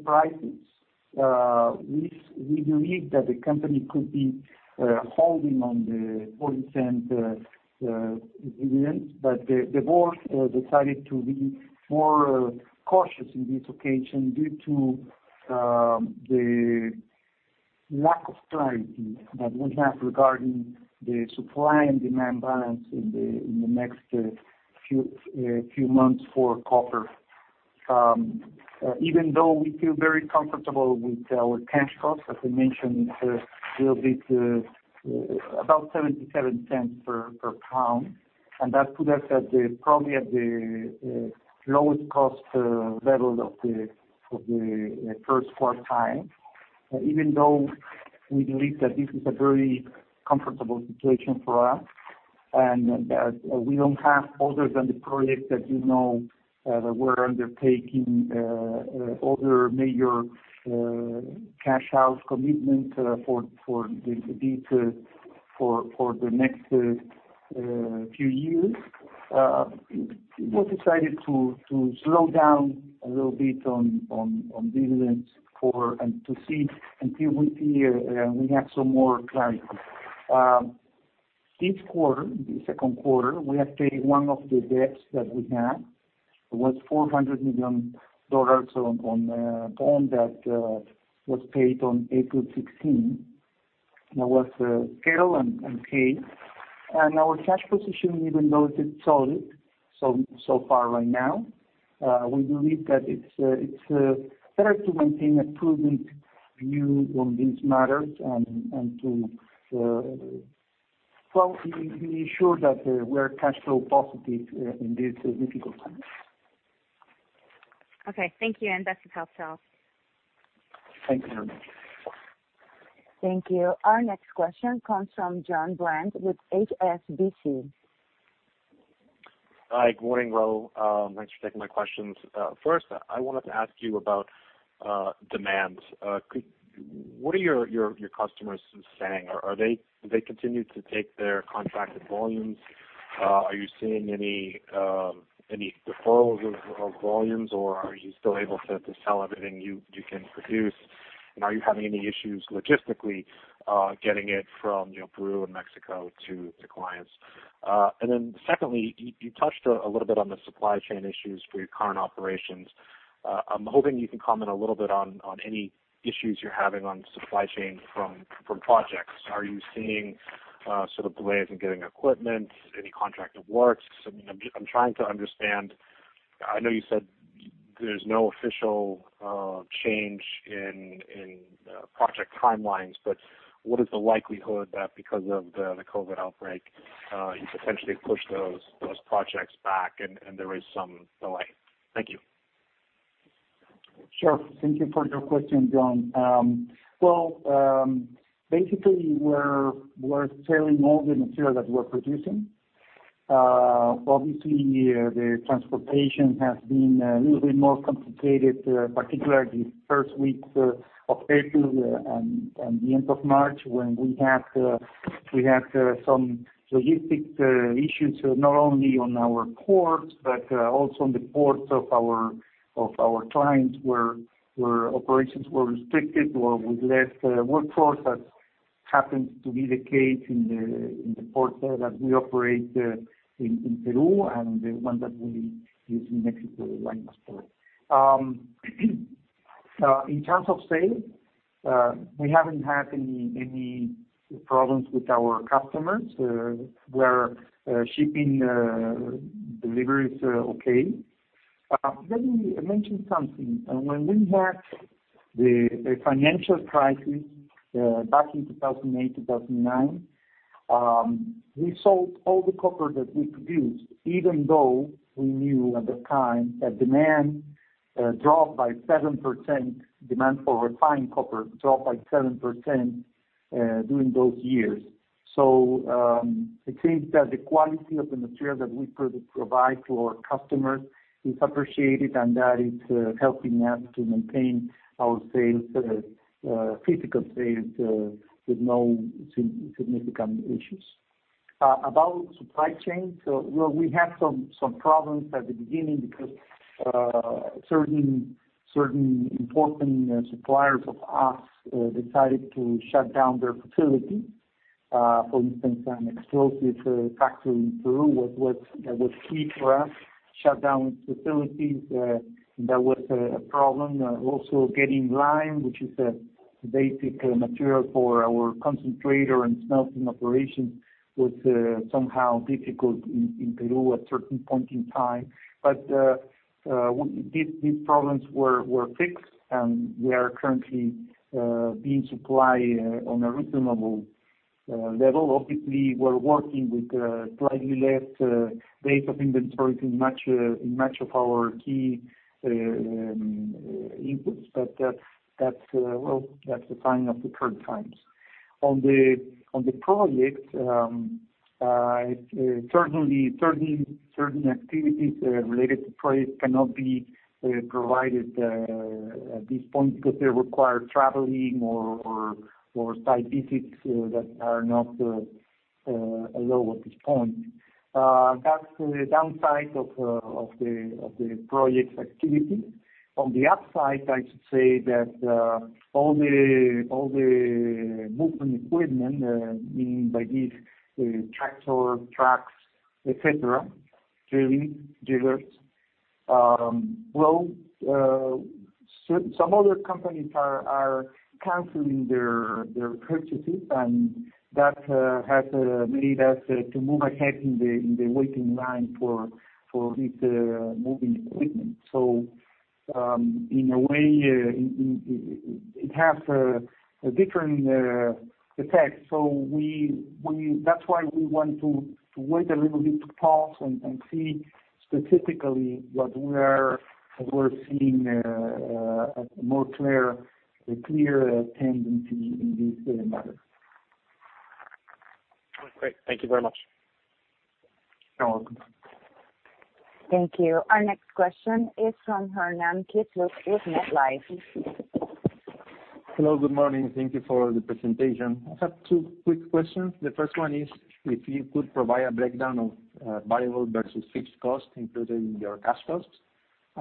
prices, we believe that the company could be holding on the $0.40 dividends, but the board decided to be more cautious in this occasion due to the lack of clarity that we have regarding the supply and demand balance in the next few months for copper. Even though we feel very comfortable with our cash cost, as I mentioned, it's a little bit about $0.77 per pound, and that put us probably at the lowest cost level of the first quarter time, even though we believe that this is a very comfortable situation for us and that we don't have other than the projects that you know that we're undertaking other major cash out commitments for the next few years. It was decided to slow down a little bit on dividends and to see until we have some more clarity. This quarter, the second quarter, we have paid one of the debts that we have. It was $400 million on a bond that was paid on April 16. That was settled and paid. Our cash position, even though it's solid so far right now, we believe that it's better to maintain a prudent view on these matters and to be sure that we are cash flow positive in these difficult times. Okay. Thank you. And best of health to all. Thank you very much. Thank you. Our next question comes from Jon Brandt with HSBC. Hi. Good morning, Raul. Thanks for taking my questions. First, I wanted to ask you about demand. What are your customers saying? Do they continue to take their contracted volumes? Are you seeing any deferrals of volumes, or are you still able to sell everything you can produce? And are you having any issues logistically getting it from Peru and Mexico to clients? And then secondly, you touched a little bit on the supply chain issues for your current operations. I'm hoping you can comment a little bit on any issues you're having on supply chain from projects. Are you seeing sort of delays in getting equipment, any contracted works? I mean, I'm trying to understand. I know you said there's no official change in project timelines, but what is the likelihood that because of the COVID outbreak, you potentially push those projects back and there is some delay? Thank you. Sure. Thank you for your question, Jon. Well, basically, we're selling all the material that we're producing. Obviously, the transportation has been a little bit more complicated, particularly the first weeks of April and the end of March when we had some logistics issues not only on our ports but also on the ports of our clients where operations were restricted or with less workforce, as happens to be the case in the ports that we operate in Peru and the one that we use in Mexico right now. In terms of sales, we haven't had any problems with our customers. We are shipping deliveries okay. Let me mention something. When we had the financial crisis back in 2008, 2009, we sold all the copper that we produced, even though we knew at that time that demand dropped by 7%. Demand for refined copper dropped by 7% during those years. It seems that the quality of the material that we provide to our customers is appreciated and that it's helping us to maintain our physical sales with no significant issues. About supply chain, we had some problems at the beginning because certain important suppliers of us decided to shut down their facilities. For instance, an explosive factory in Peru that was key for us shut down its facilities, and that was a problem. Also, getting lime, which is a basic material for our concentrator and smelting operations, was somehow difficult in Peru at a certain point in time. But these problems were fixed, and we are currently being supplied on a reasonable level. Obviously, we're working with slightly less days of inventory to match our key inputs, but that's a sign of the current times. On the projects, certain activities related to projects cannot be provided at this point because they require traveling or site visits that are not allowed at this point. That's the downside of the project's activity. On the upside, I should say that all the movement equipment, meaning by these tractors, trucks, etc., drilling, drillers, well, some other companies are canceling their purchases, and that has made us to move ahead in the waiting line for this moving equipment. So in a way, it has a different effect. So that's why we want to wait a little bit to pause and see specifically what we are seeing a more clear tendency in these matters. Great. Thank you very much. You're welcome. Thank you. Our next question is from Hernan Kisluk with MetLife. Hello. Good morning. Thank you for the presentation. I have two quick questions. The first one is if you could provide a breakdown of variable versus fixed costs included in your cash costs?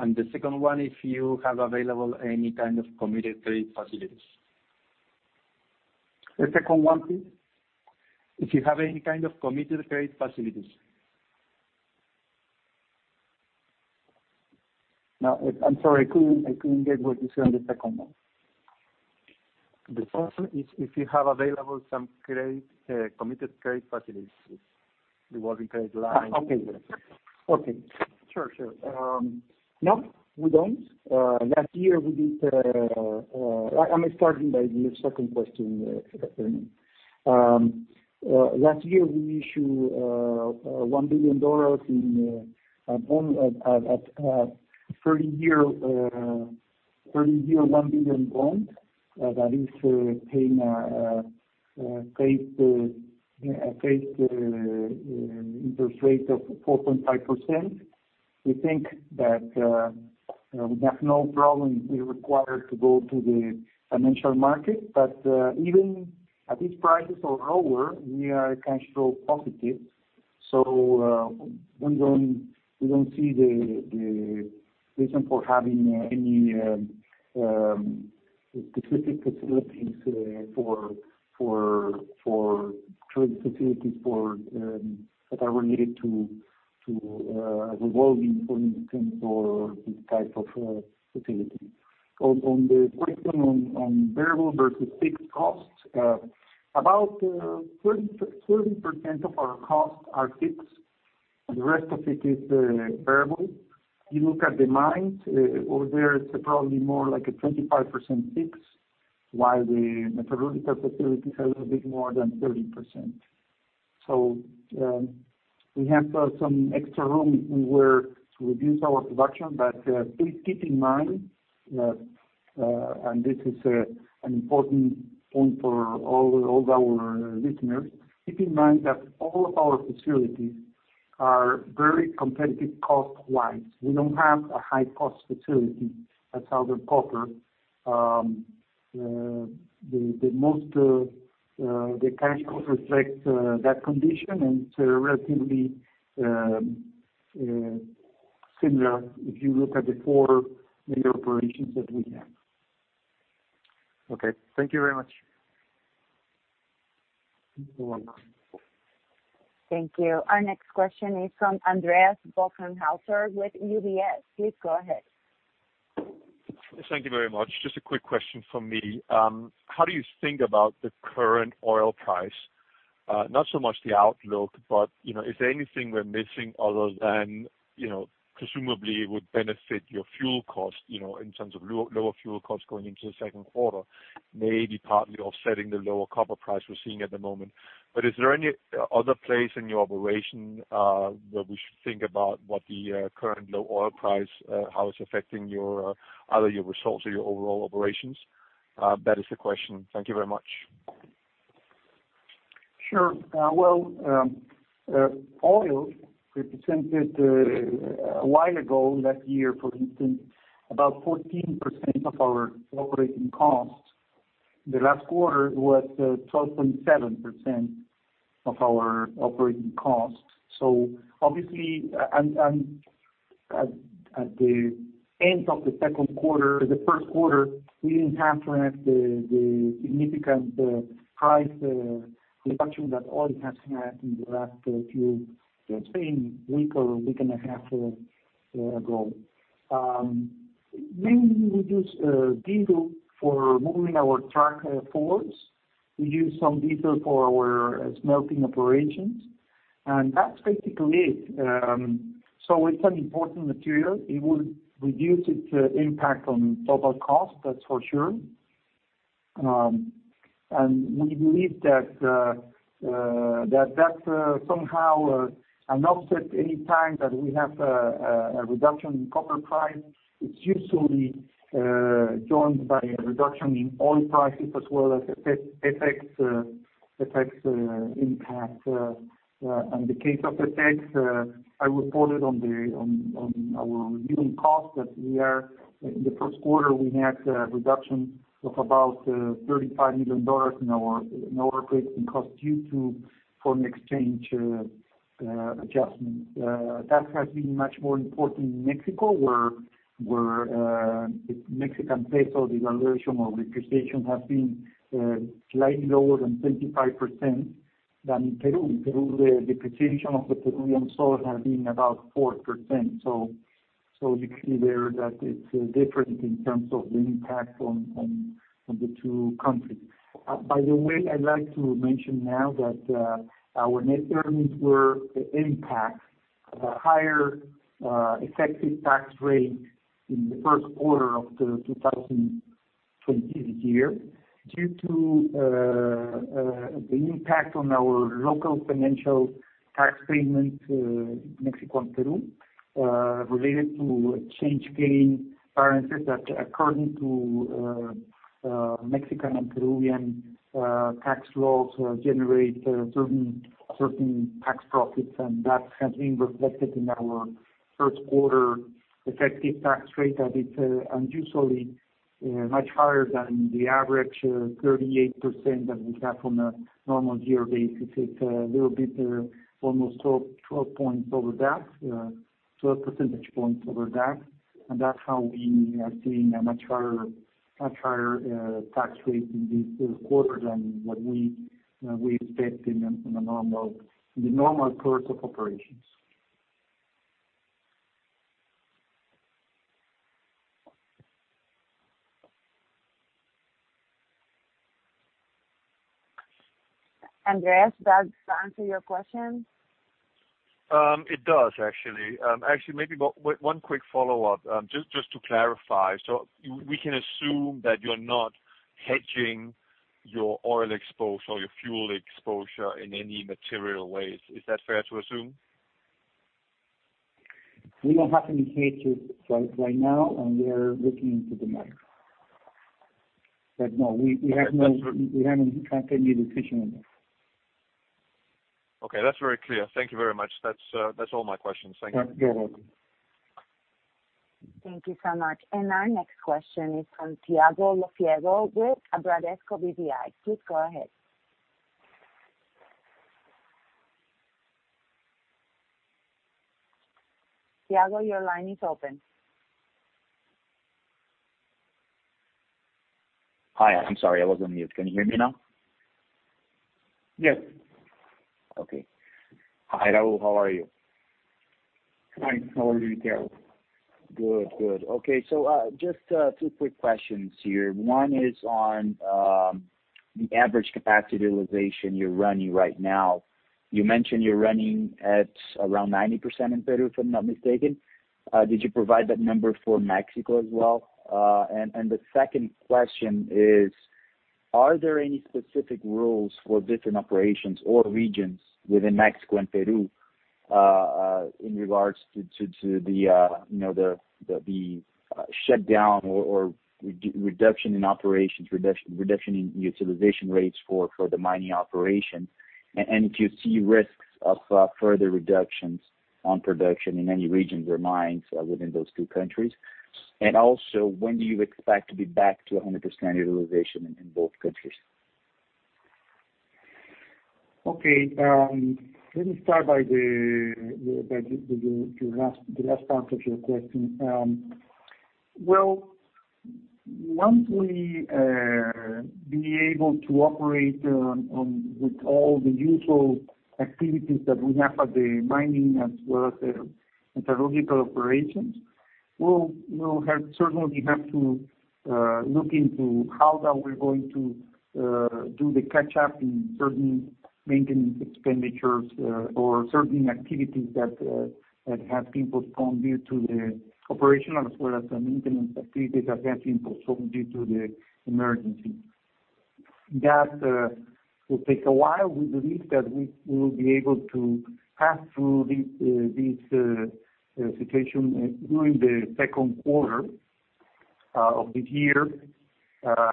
And the second one, if you have available any kind of committed trade facilities. The second one, please. If you have any kind of committed trade facilities. I'm sorry. I couldn't get what you said on the second one. The first one is if you have available some committed trade facilities, the working trade line. Okay. Okay. Sure, sure. No, we don't. Last year, we did. I'm starting by the second question. Last year, we issued $1 billion in a 30-year $1 billion bond that is paid at an interest rate of 4.5%. We think that we have no problem if we're required to go to the financial market. But even at these prices or lower, we are cash flow positive. So we don't see the reason for having any specific facilities for trade facilities that are related to revolving, for instance, or this type of facility. On the question on variable versus fixed costs, about 30% of our costs are fixed. The rest of it is variable. You look at the mines, over there, it's probably more like a 25% fixed, while the metallurgical facilities are a little bit more than 30%. So we have some extra room if we were to reduce our production. But please keep in mind, and this is an important point for all our listeners, keep in mind that all of our facilities are very competitive cost-wise. We don't have a high-cost facility at Southern Copper. The cash flow reflects that condition and is relatively similar if you look at the four major operations that we have. Okay. Thank you very much. You're welcome. Thank you. Our next question is from Andreas Bokkenheuser with UBS. Please go ahead. Thank you very much. Just a quick question from me. How do you think about the current oil price? Not so much the outlook, but is there anything we're missing other than presumably it would benefit your fuel cost in terms of lower fuel costs going into the second quarter, maybe partly offsetting the lower copper price we're seeing at the moment? But is there any other place in your operation where we should think about what the current low oil price, how it's affecting either your results or your overall operations? That is the question. Thank you very much. Sure. Well, oil represented a while ago last year, for instance, about 14% of our operating costs. The last quarter was 12.7% of our operating costs. Obviously, at the end of the second quarter, the first quarter, we didn't have to have the significant price reduction that oil has had in the last few, let's say, week or week and a half ago. Mainly, we use diesel for moving our truck force. We use some diesel for our smelting operations. And that's basically it. So it's an important material. It would reduce its impact on total cost, that's for sure. And we believe that that's somehow an offset any time that we have a reduction in copper price. It's usually joined by a reduction in oil prices as well as FX impact. And in the case of FX, I reported in our review of costs that in the first quarter, we had a reduction of about $35 million in our operating costs due to foreign exchange adjustments. That has been much more important in Mexico, where the Mexican peso, the valuation or the appreciation, has been slightly lower than 25% than in Peru. In Peru, the appreciation of the Peruvian sol has been about 4%, so you can see there that it's different in terms of the impact on the two countries. By the way, I'd like to mention now that our net earnings were impacted at a higher effective tax rate in the first quarter of the 2020 year due to the impact on our local financial tax payment, Mexico and Peru, related to exchange gain parameters that, according to Mexican and Peruvian tax laws, generate certain tax profits, and that has been reflected in our first quarter effective tax rate that is unusually much higher than the average 38% that we have on a normal year basis. It's a little bit almost 12 points over that, 12 percentage points over that. And that's how we are seeing a much higher tax rate in this quarter than what we expect in the normal course of operations. Andreas, does that answer your question? It does, actually. Actually, maybe one quick follow-up, just to clarify. So we can assume that you're not hedging your oil exposure or your fuel exposure in any material ways. Is that fair to assume? We don't have any hedges right now, and we're looking into the market. But no, we haven't had any decision on that. Okay. That's very clear. Thank you very much. That's all my questions. Thank you. You're welcome. Thank you so much. And our next question is from Thiago Lofiego with Bradesco BBI. Please go ahead. Thiago, your line is open. Hi. I'm sorry. I was on mute. Can you hear me now? Yes. Okay. Hi, Raul. How are you? Hi. How are you, Thiago? Good, good. Okay. So just two quick questions here. One is on the average capacity utilization you're running right now. You mentioned you're running at around 90% in Peru, if I'm not mistaken. Did you provide that number for Mexico as well? And the second question is, are there any specific rules for different operations or regions within Mexico and Peru in regards to the shutdown or reduction in operations, reduction in utilization rates for the mining operation? And if you see risks of further reductions on production in any regions or mines within those two countries? And also, when do you expect to be back to 100% utilization in both countries? Okay. Let me start by the last part of your question. Once we are able to operate with all the usual activities that we have at the mining as well as the metallurgical operations, we'll certainly have to look into how we're going to do the catch-up in certain maintenance expenditures or certain activities that have been postponed due to the operational as well as the maintenance activities that have been postponed due to the emergency. That will take a while. We believe that we will be able to pass through this situation during the second quarter of the year.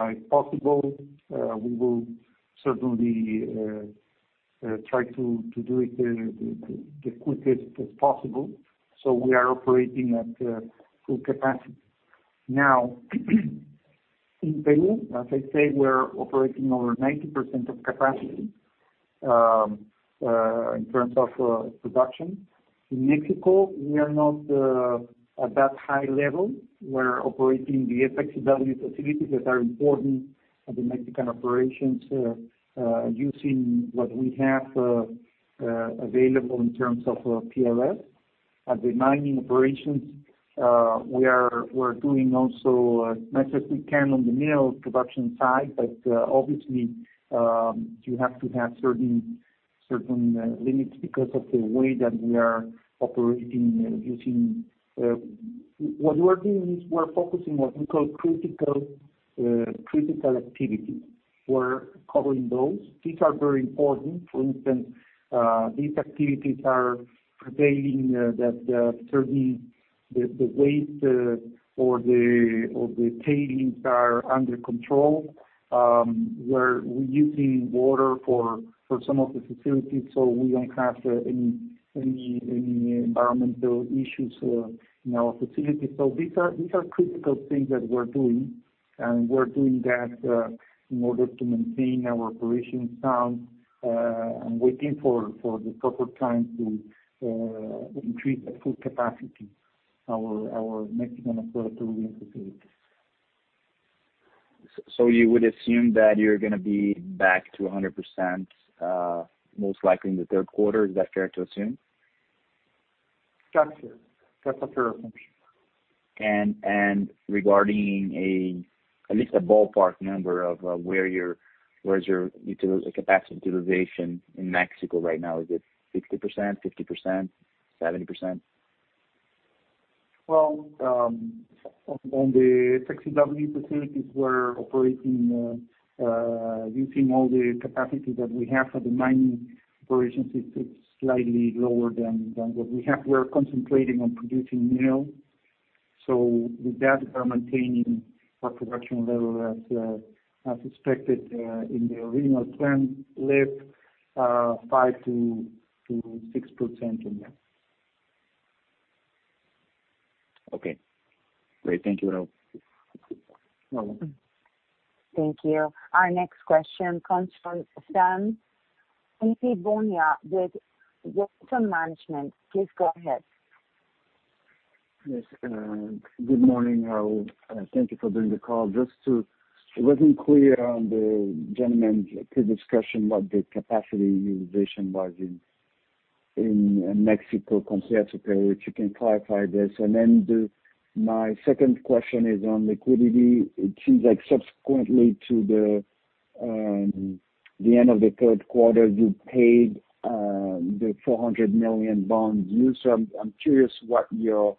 If possible, we will certainly try to do it as quickly as possible. We are operating at full capacity. Now, in Peru, as I said, we're operating over 90% of capacity in terms of production. In Mexico, we are not at that high level. We're operating the SX-EW facilities that are important at the Mexican operations using what we have available in terms of PLS. At the mining operations, we're doing also as much as we can on the mineral production side, but obviously, you have to have certain limits because of the way that we are operating using what we're doing is we're focusing on what we call critical activities. We're covering those. These are very important. For instance, these activities are prevailing that certainly the waste or the tailings are under control where we're using water for some of the facilities so we don't have any environmental issues in our facilities, so these are critical things that we're doing, and we're doing that in order to maintain our operations sound and waiting for the proper time to increase that full capacity, our Mexican and Peruvian facilities. So you would assume that you're going to be back to 100% most likely in the third quarter. Is that fair to assume? That's a fair assumption. And regarding at least a ballpark number of where's your capacity utilization in Mexico right now? Is it 60%, 50%, 70%? Well, on the SX-EW facilities, we're operating using all the capacity that we have for the mining operations. It's slightly lower than what we have. We're concentrating on producing minerals. So with that, we're maintaining our production level as expected in the original plan, left 5%-6% on that. Okay. Great. Thank you, Raul. You're welcome. Thank you. Our next question comes from Sam Epee-Bounya from Wellington Management. Please go ahead. Yes, good morning, Raul. Thank you for doing the call. Just to it wasn't clear on the gentleman's previous question what the capacity utilization was in Mexico compared to Peru, if you can clarify this. And then my second question is on liquidity. It seems like subsequently to the end of the third quarter, you paid the $400 million bond due. So I'm curious what your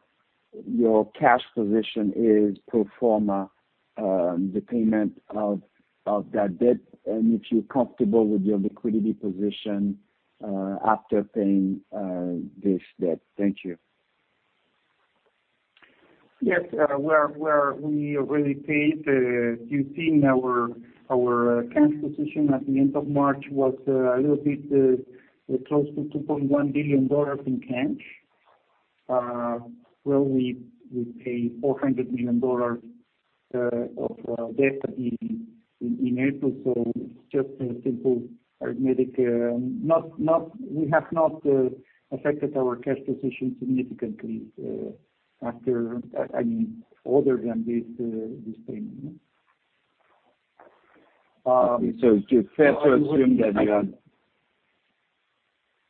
cash position is pro forma the payment of that debt and if you're comfortable with your liquidity position after paying this debt. Thank you. Yes. Where we already paid due to our cash position at the end of March was a little bit close to $2.1 billion in cash. Well, we paid $400 million of debt in April. So just a simple arithmetic. We have not affected our cash position significantly after, I mean, other than this payment. Okay. So it's fair to assume that you have.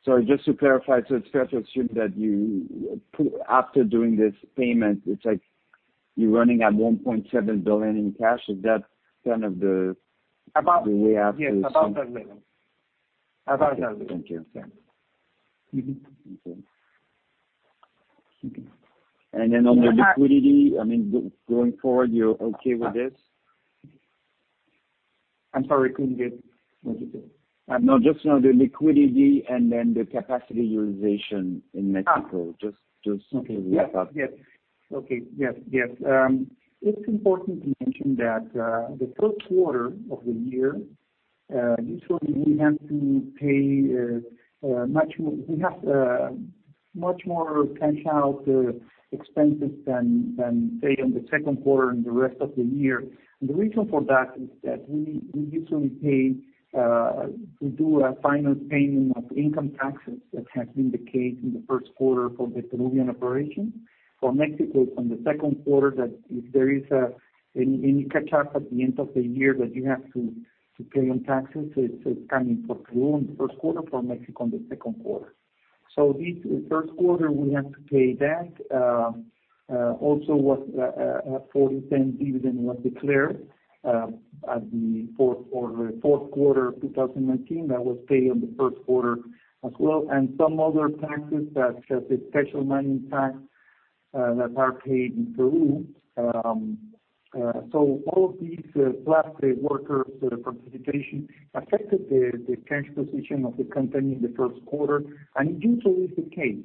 Sorry. Just to clarify, so it's fair to assume that after doing this payment, it's like you're running at $1.7 billion in cash. Is that kind of the way after? Yes, about that level. About that level. Okay. Thank you. Okay. And then on the liquidity, I mean, going forward, you're okay with this? I'm sorry. Couldn't get what you said. No, just now the liquidity and then the capacity utilization in Mexico. Just to wrap up. Yes. Yes. Okay. Yes. Yes. It's important to mention that the first quarter of the year, usually, we have to pay much more. We have much more cash-out expenses than pay on the second quarter and the rest of the year. And the reason for that is that we usually pay to do a final payment of income taxes. That has been the case in the first quarter for the Peruvian operation. For Mexico, it's on the second quarter that if there is any catch-up at the end of the year that you have to pay on taxes; it's coming for Peru in the first quarter, for Mexico in the second quarter. So this first quarter, we have to pay that. Also, a $0.40 dividend was declared at the fourth quarter of 2019 that was paid on the first quarter as well. And some other taxes such as the special mining tax that are paid in Peru. So all of these plus the workers' participation affected the cash position of the company in the first quarter, and usually it's the case.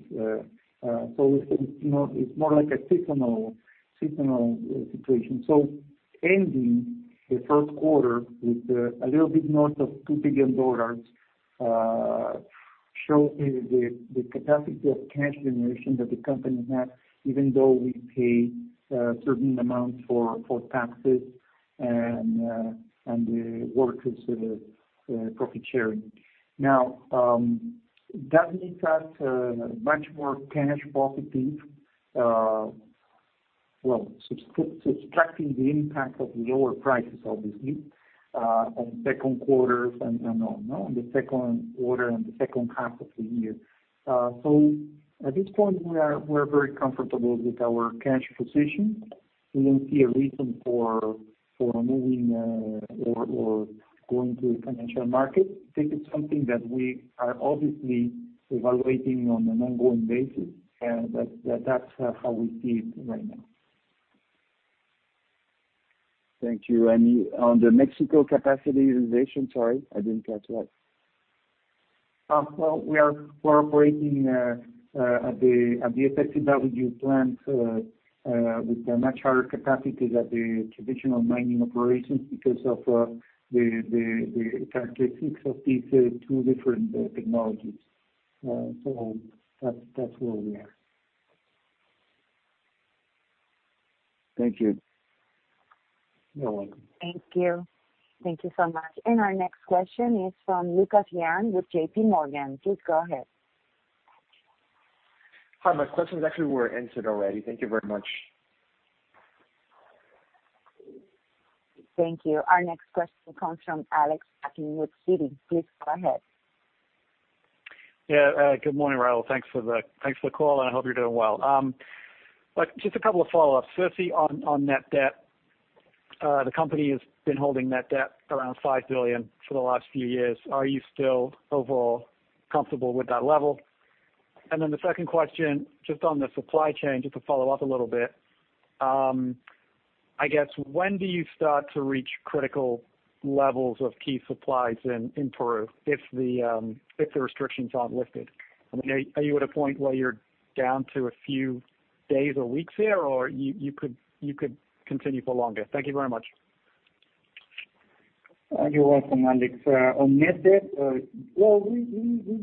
So it's more like a seasonal situation. So ending the first quarter with a little bit north of $2 billion shows the capacity of cash generation that the company has, even though we pay a certain amount for taxes and the workers' profit sharing. Now, that leaves us much more cash-positive, well, subtracting the impact of the lower prices, obviously, on the second quarter and on the second quarter and the second half of the year. So at this point, we're very comfortable with our cash position. We don't see a reason for moving or going to the financial market. This is something that we are obviously evaluating on an ongoing basis. That's how we see it right now. Thank you. And on the Mexico capacity utilization, sorry, I didn't catch that. We are operating at the SX-EW plant with a much higher capacity than the traditional mining operations because of the characteristics of these two different technologies. So that's where we are. Thank you. You're welcome. Thank you. Thank you so much. Our next question is from Lucas Yang with JPMorgan. Please go ahead. Hi. My questions actually were answered already. Thank you very much. Thank you. Our next question comes from Alex Hacking with Citi. Please go ahead. Yeah. Good morning, Raul. Thanks for the call, and I hope you're doing well. Just a couple of follow-ups. So, on net debt, the company has been holding net debt around $5 billion for the last few years. Are you still overall comfortable with that level? And then the second question, just on the supply chain, just to follow up a little bit, I guess, when do you start to reach critical levels of key supplies in Peru if the restrictions aren't lifted? I mean, are you at a point where you're down to a few days or weeks here, or you could continue for longer? Thank you very much. You're welcome, Alex. On net debt, well, we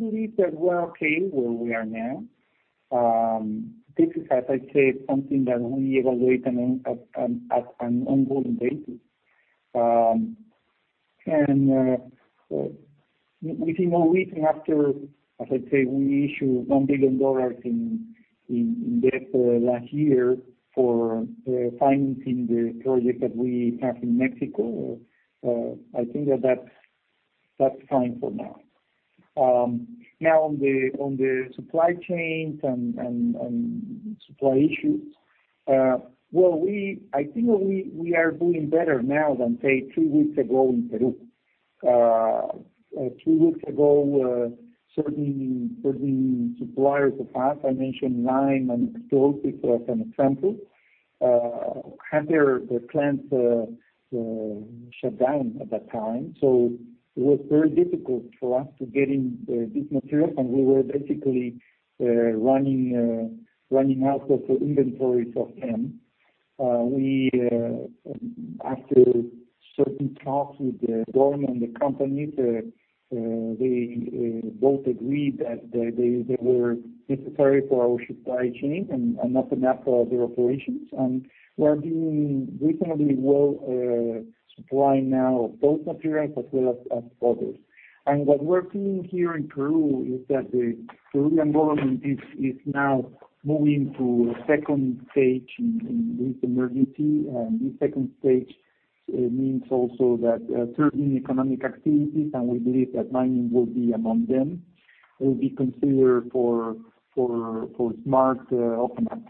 believe that we're okay where we are now. This is, as I said, something that we evaluate on an ongoing basis. And within a week after, as I said, we issued $1 billion in debt last year for financing the project that we have in Mexico. I think that that's fine for now. Now, on the supply chains and supply issues, well, I think we are doing better now than, say, three weeks ago in Peru. Two weeks ago, certain suppliers of us, I mentioned lime and explosives as an example, had their plants shut down at that time. So it was very difficult for us to get in these materials, and we were basically running out of inventories of them. After certain talks with the government, the companies, they both agreed that they were necessary for our supply chain and not enough for other operations. And we're doing reasonably well supply now of both materials as well as others. And what we're seeing here in Peru is that the Peruvian government is now moving to a second stage in this emergency. And this second stage means also that certain economic activities, and we believe that mining will be among them, will be considered for smart open-up.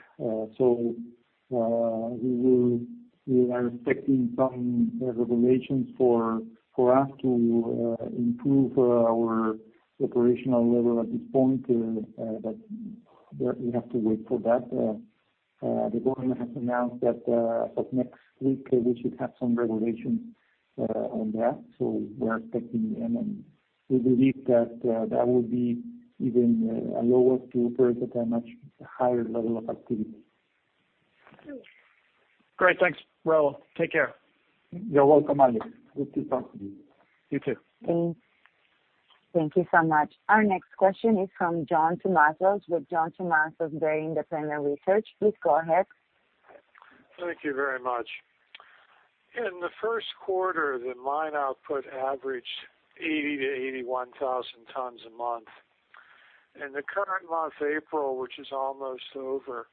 We are expecting some regulations for us to improve our operational level at this point, but we have to wait for that. The government has announced that as of next week, we should have some regulations on that. We are expecting them. And we believe that that will be even allow us to operate at a much higher level of activity. Great. Thanks, Raul. Take care. You are welcome, Alex. Good to talk to you. You too. Thank you. Thank you so much. Our next question is from John Tumazos with John Tumazos Very Independent Research. Please go ahead. Thank you very much. In the first quarter, the mine output averaged 80-81 thousand tons a month. In the current month, April, which is almost over,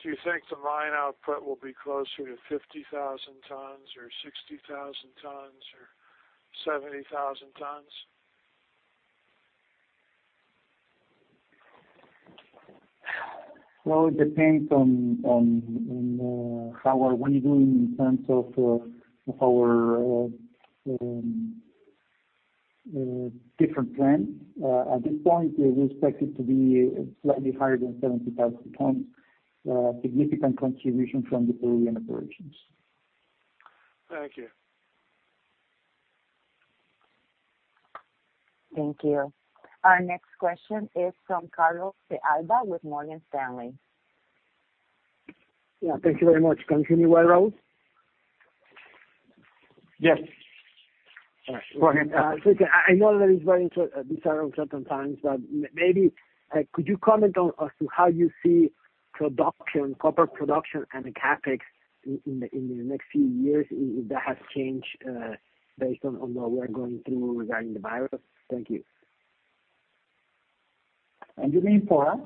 do you think the mine output will be closer to 50,000 tons or 60,000 tons or 70,000 tons? Well, it depends on how we're doing in terms of our different plants. At this point, we expect it to be slightly higher than 70,000 tons. Significant contribution from the Peruvian operations. Thank you. Thank you. Our next question is from Carlos de Alba with Morgan Stanley. Yeah. Thank you very much. Can you hear me well, Raul? Yes. All right. Go ahead. I know that it's very these are uncertain times, but maybe could you comment on how you see copper production and the CapEx in the next few years? If that has changed based on what we're going through regarding the virus. Thank you. And you mean for us?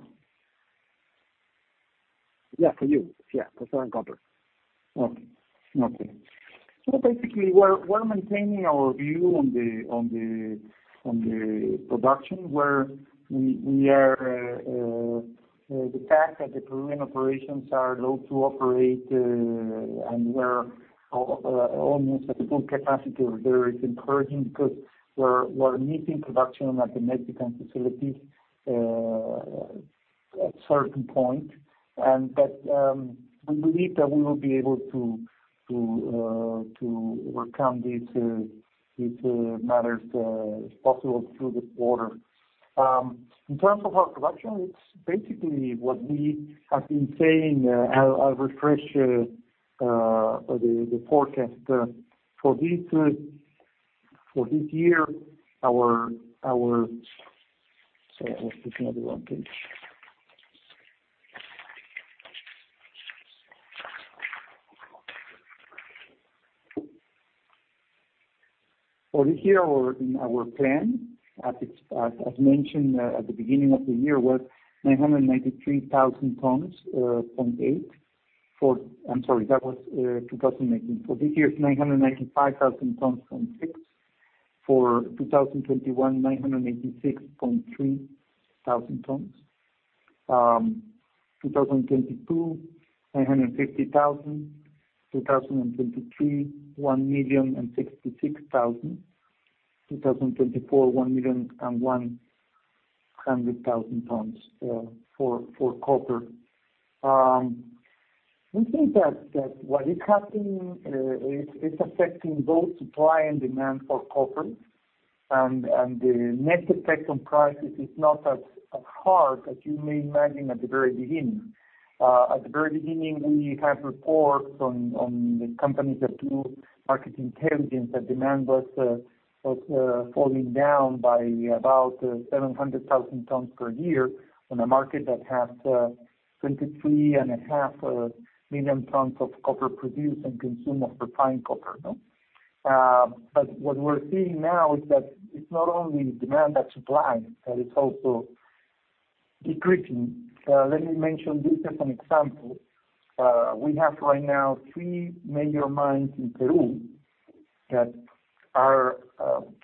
Yeah, for you. Yeah, for Southern Copper. Okay. Okay. Basically, we're maintaining our view on the production where we are the fact that the Peruvian operations are low-cost to operate and we're almost at full capacity or very encouraging because we're meeting production at the Mexican facilities at this point. We believe that we will be able to overcome these matters if possible through the quarter. In terms of our production, it's basically what we have been saying. I'll refresh the forecast. For this year, our sorry, I was looking at the wrong page. For this year, it's 995,600 tons. For 2021, 986,300 tons. 2022, 950,000. 2023, 1,066,000. 2024, 1,100,000 tons for copper. We think that what is happening is it's affecting both supply and demand for copper. And the net effect on prices is not as hard as you may imagine at the very beginning. At the very beginning, we had reports on the companies that do market intelligence that demand was falling down by about 700,000 tons per year on a market that has 23.5 million tons of copper produced and consumed of refined copper. But what we're seeing now is that it's not only demand that supply, but it's also decreasing. Let me mention this as an example. We have right now three major mines in Peru that are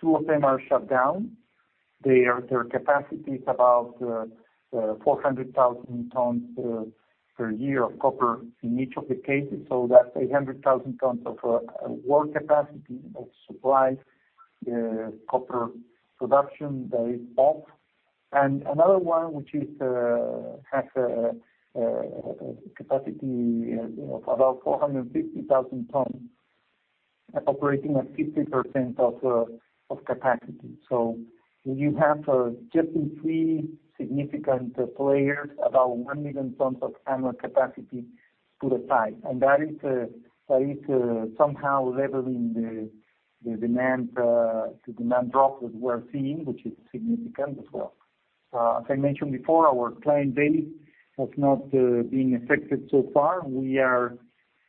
two of them are shut down. Their capacity is about 400,000 tons per year of copper in each of the cases. So that's 800,000 tons of world capacity of supply copper production that is off. And another one, which has a capacity of about 450,000 tons, operating at 50% of capacity. You have just in three significant players about one million tons of annual capacity put aside. And that is somehow leveling the demand drop that we're seeing, which is significant as well. As I mentioned before, our client base has not been affected so far. We are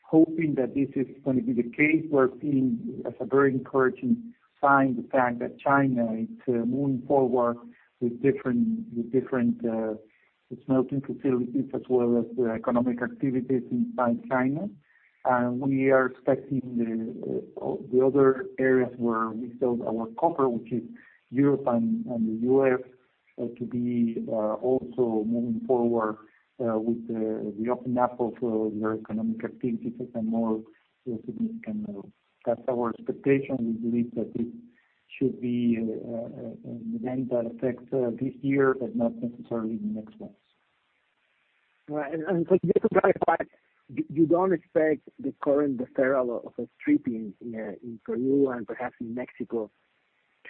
hoping that this is going to be the case. We're seeing as a very encouraging sign the fact that China is moving forward with different smelting facilities as well as the economic activities inside China. And we are expecting the other areas where we sell our copper, which is Europe and the U.S., to be also moving forward with the opening up of their economic activities at a more significant level. That's our expectation. We believe that this should be an event that affects this year, but not necessarily the next ones. Right. Just to clarify, you don't expect the current deferral of stripping in Peru and perhaps in Mexico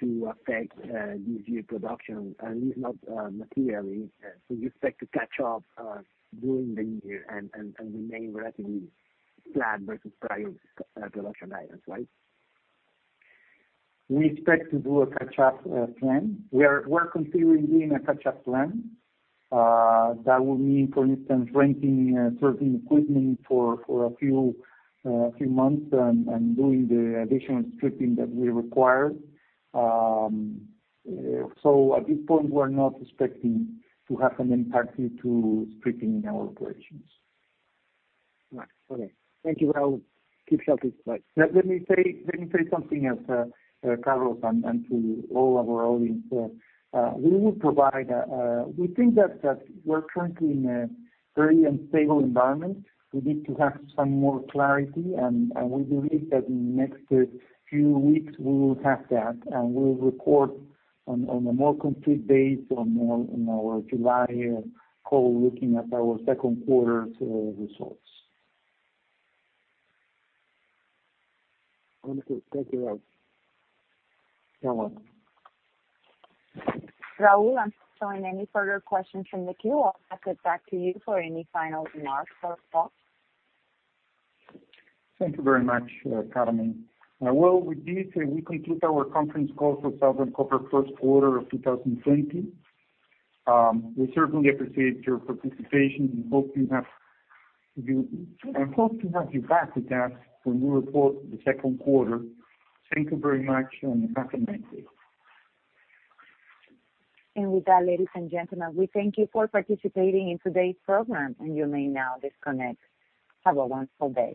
to affect this year's production, at least not materially. So you expect to catch up during the year and remain relatively flat versus prior production items, right? We expect to do a catch-up plan. We're continuing doing a catch-up plan. That will mean, for instance, renting certain equipment for a few months and doing the additional stripping that we require. So at this point, we're not expecting to have an impact due to stripping in our operations. Right. Okay. Thank you, Raul. Let me say something else, Carlos, and to all our audience. We will provide. We think that we're currently in a very unstable environment. We need to have some more clarity, and we believe that in the next few weeks, we will have that. We'll report on a more complete base on our July call looking at our second quarter's results. Thank you, Raul. Raul, unless there are any further questions from the queue, I'll pass it back to you for any final remarks or thoughts. Thank you very much, Carmen. With this, we conclude our conference call for Southern Copper first quarter of 2020. We certainly appreciate your participation. We hope to have you back with us when you report the second quarter. Thank you very much, and have a nice day. With that, ladies and gentlemen, we thank you for participating in today's program, and you may now disconnect. Have a wonderful day.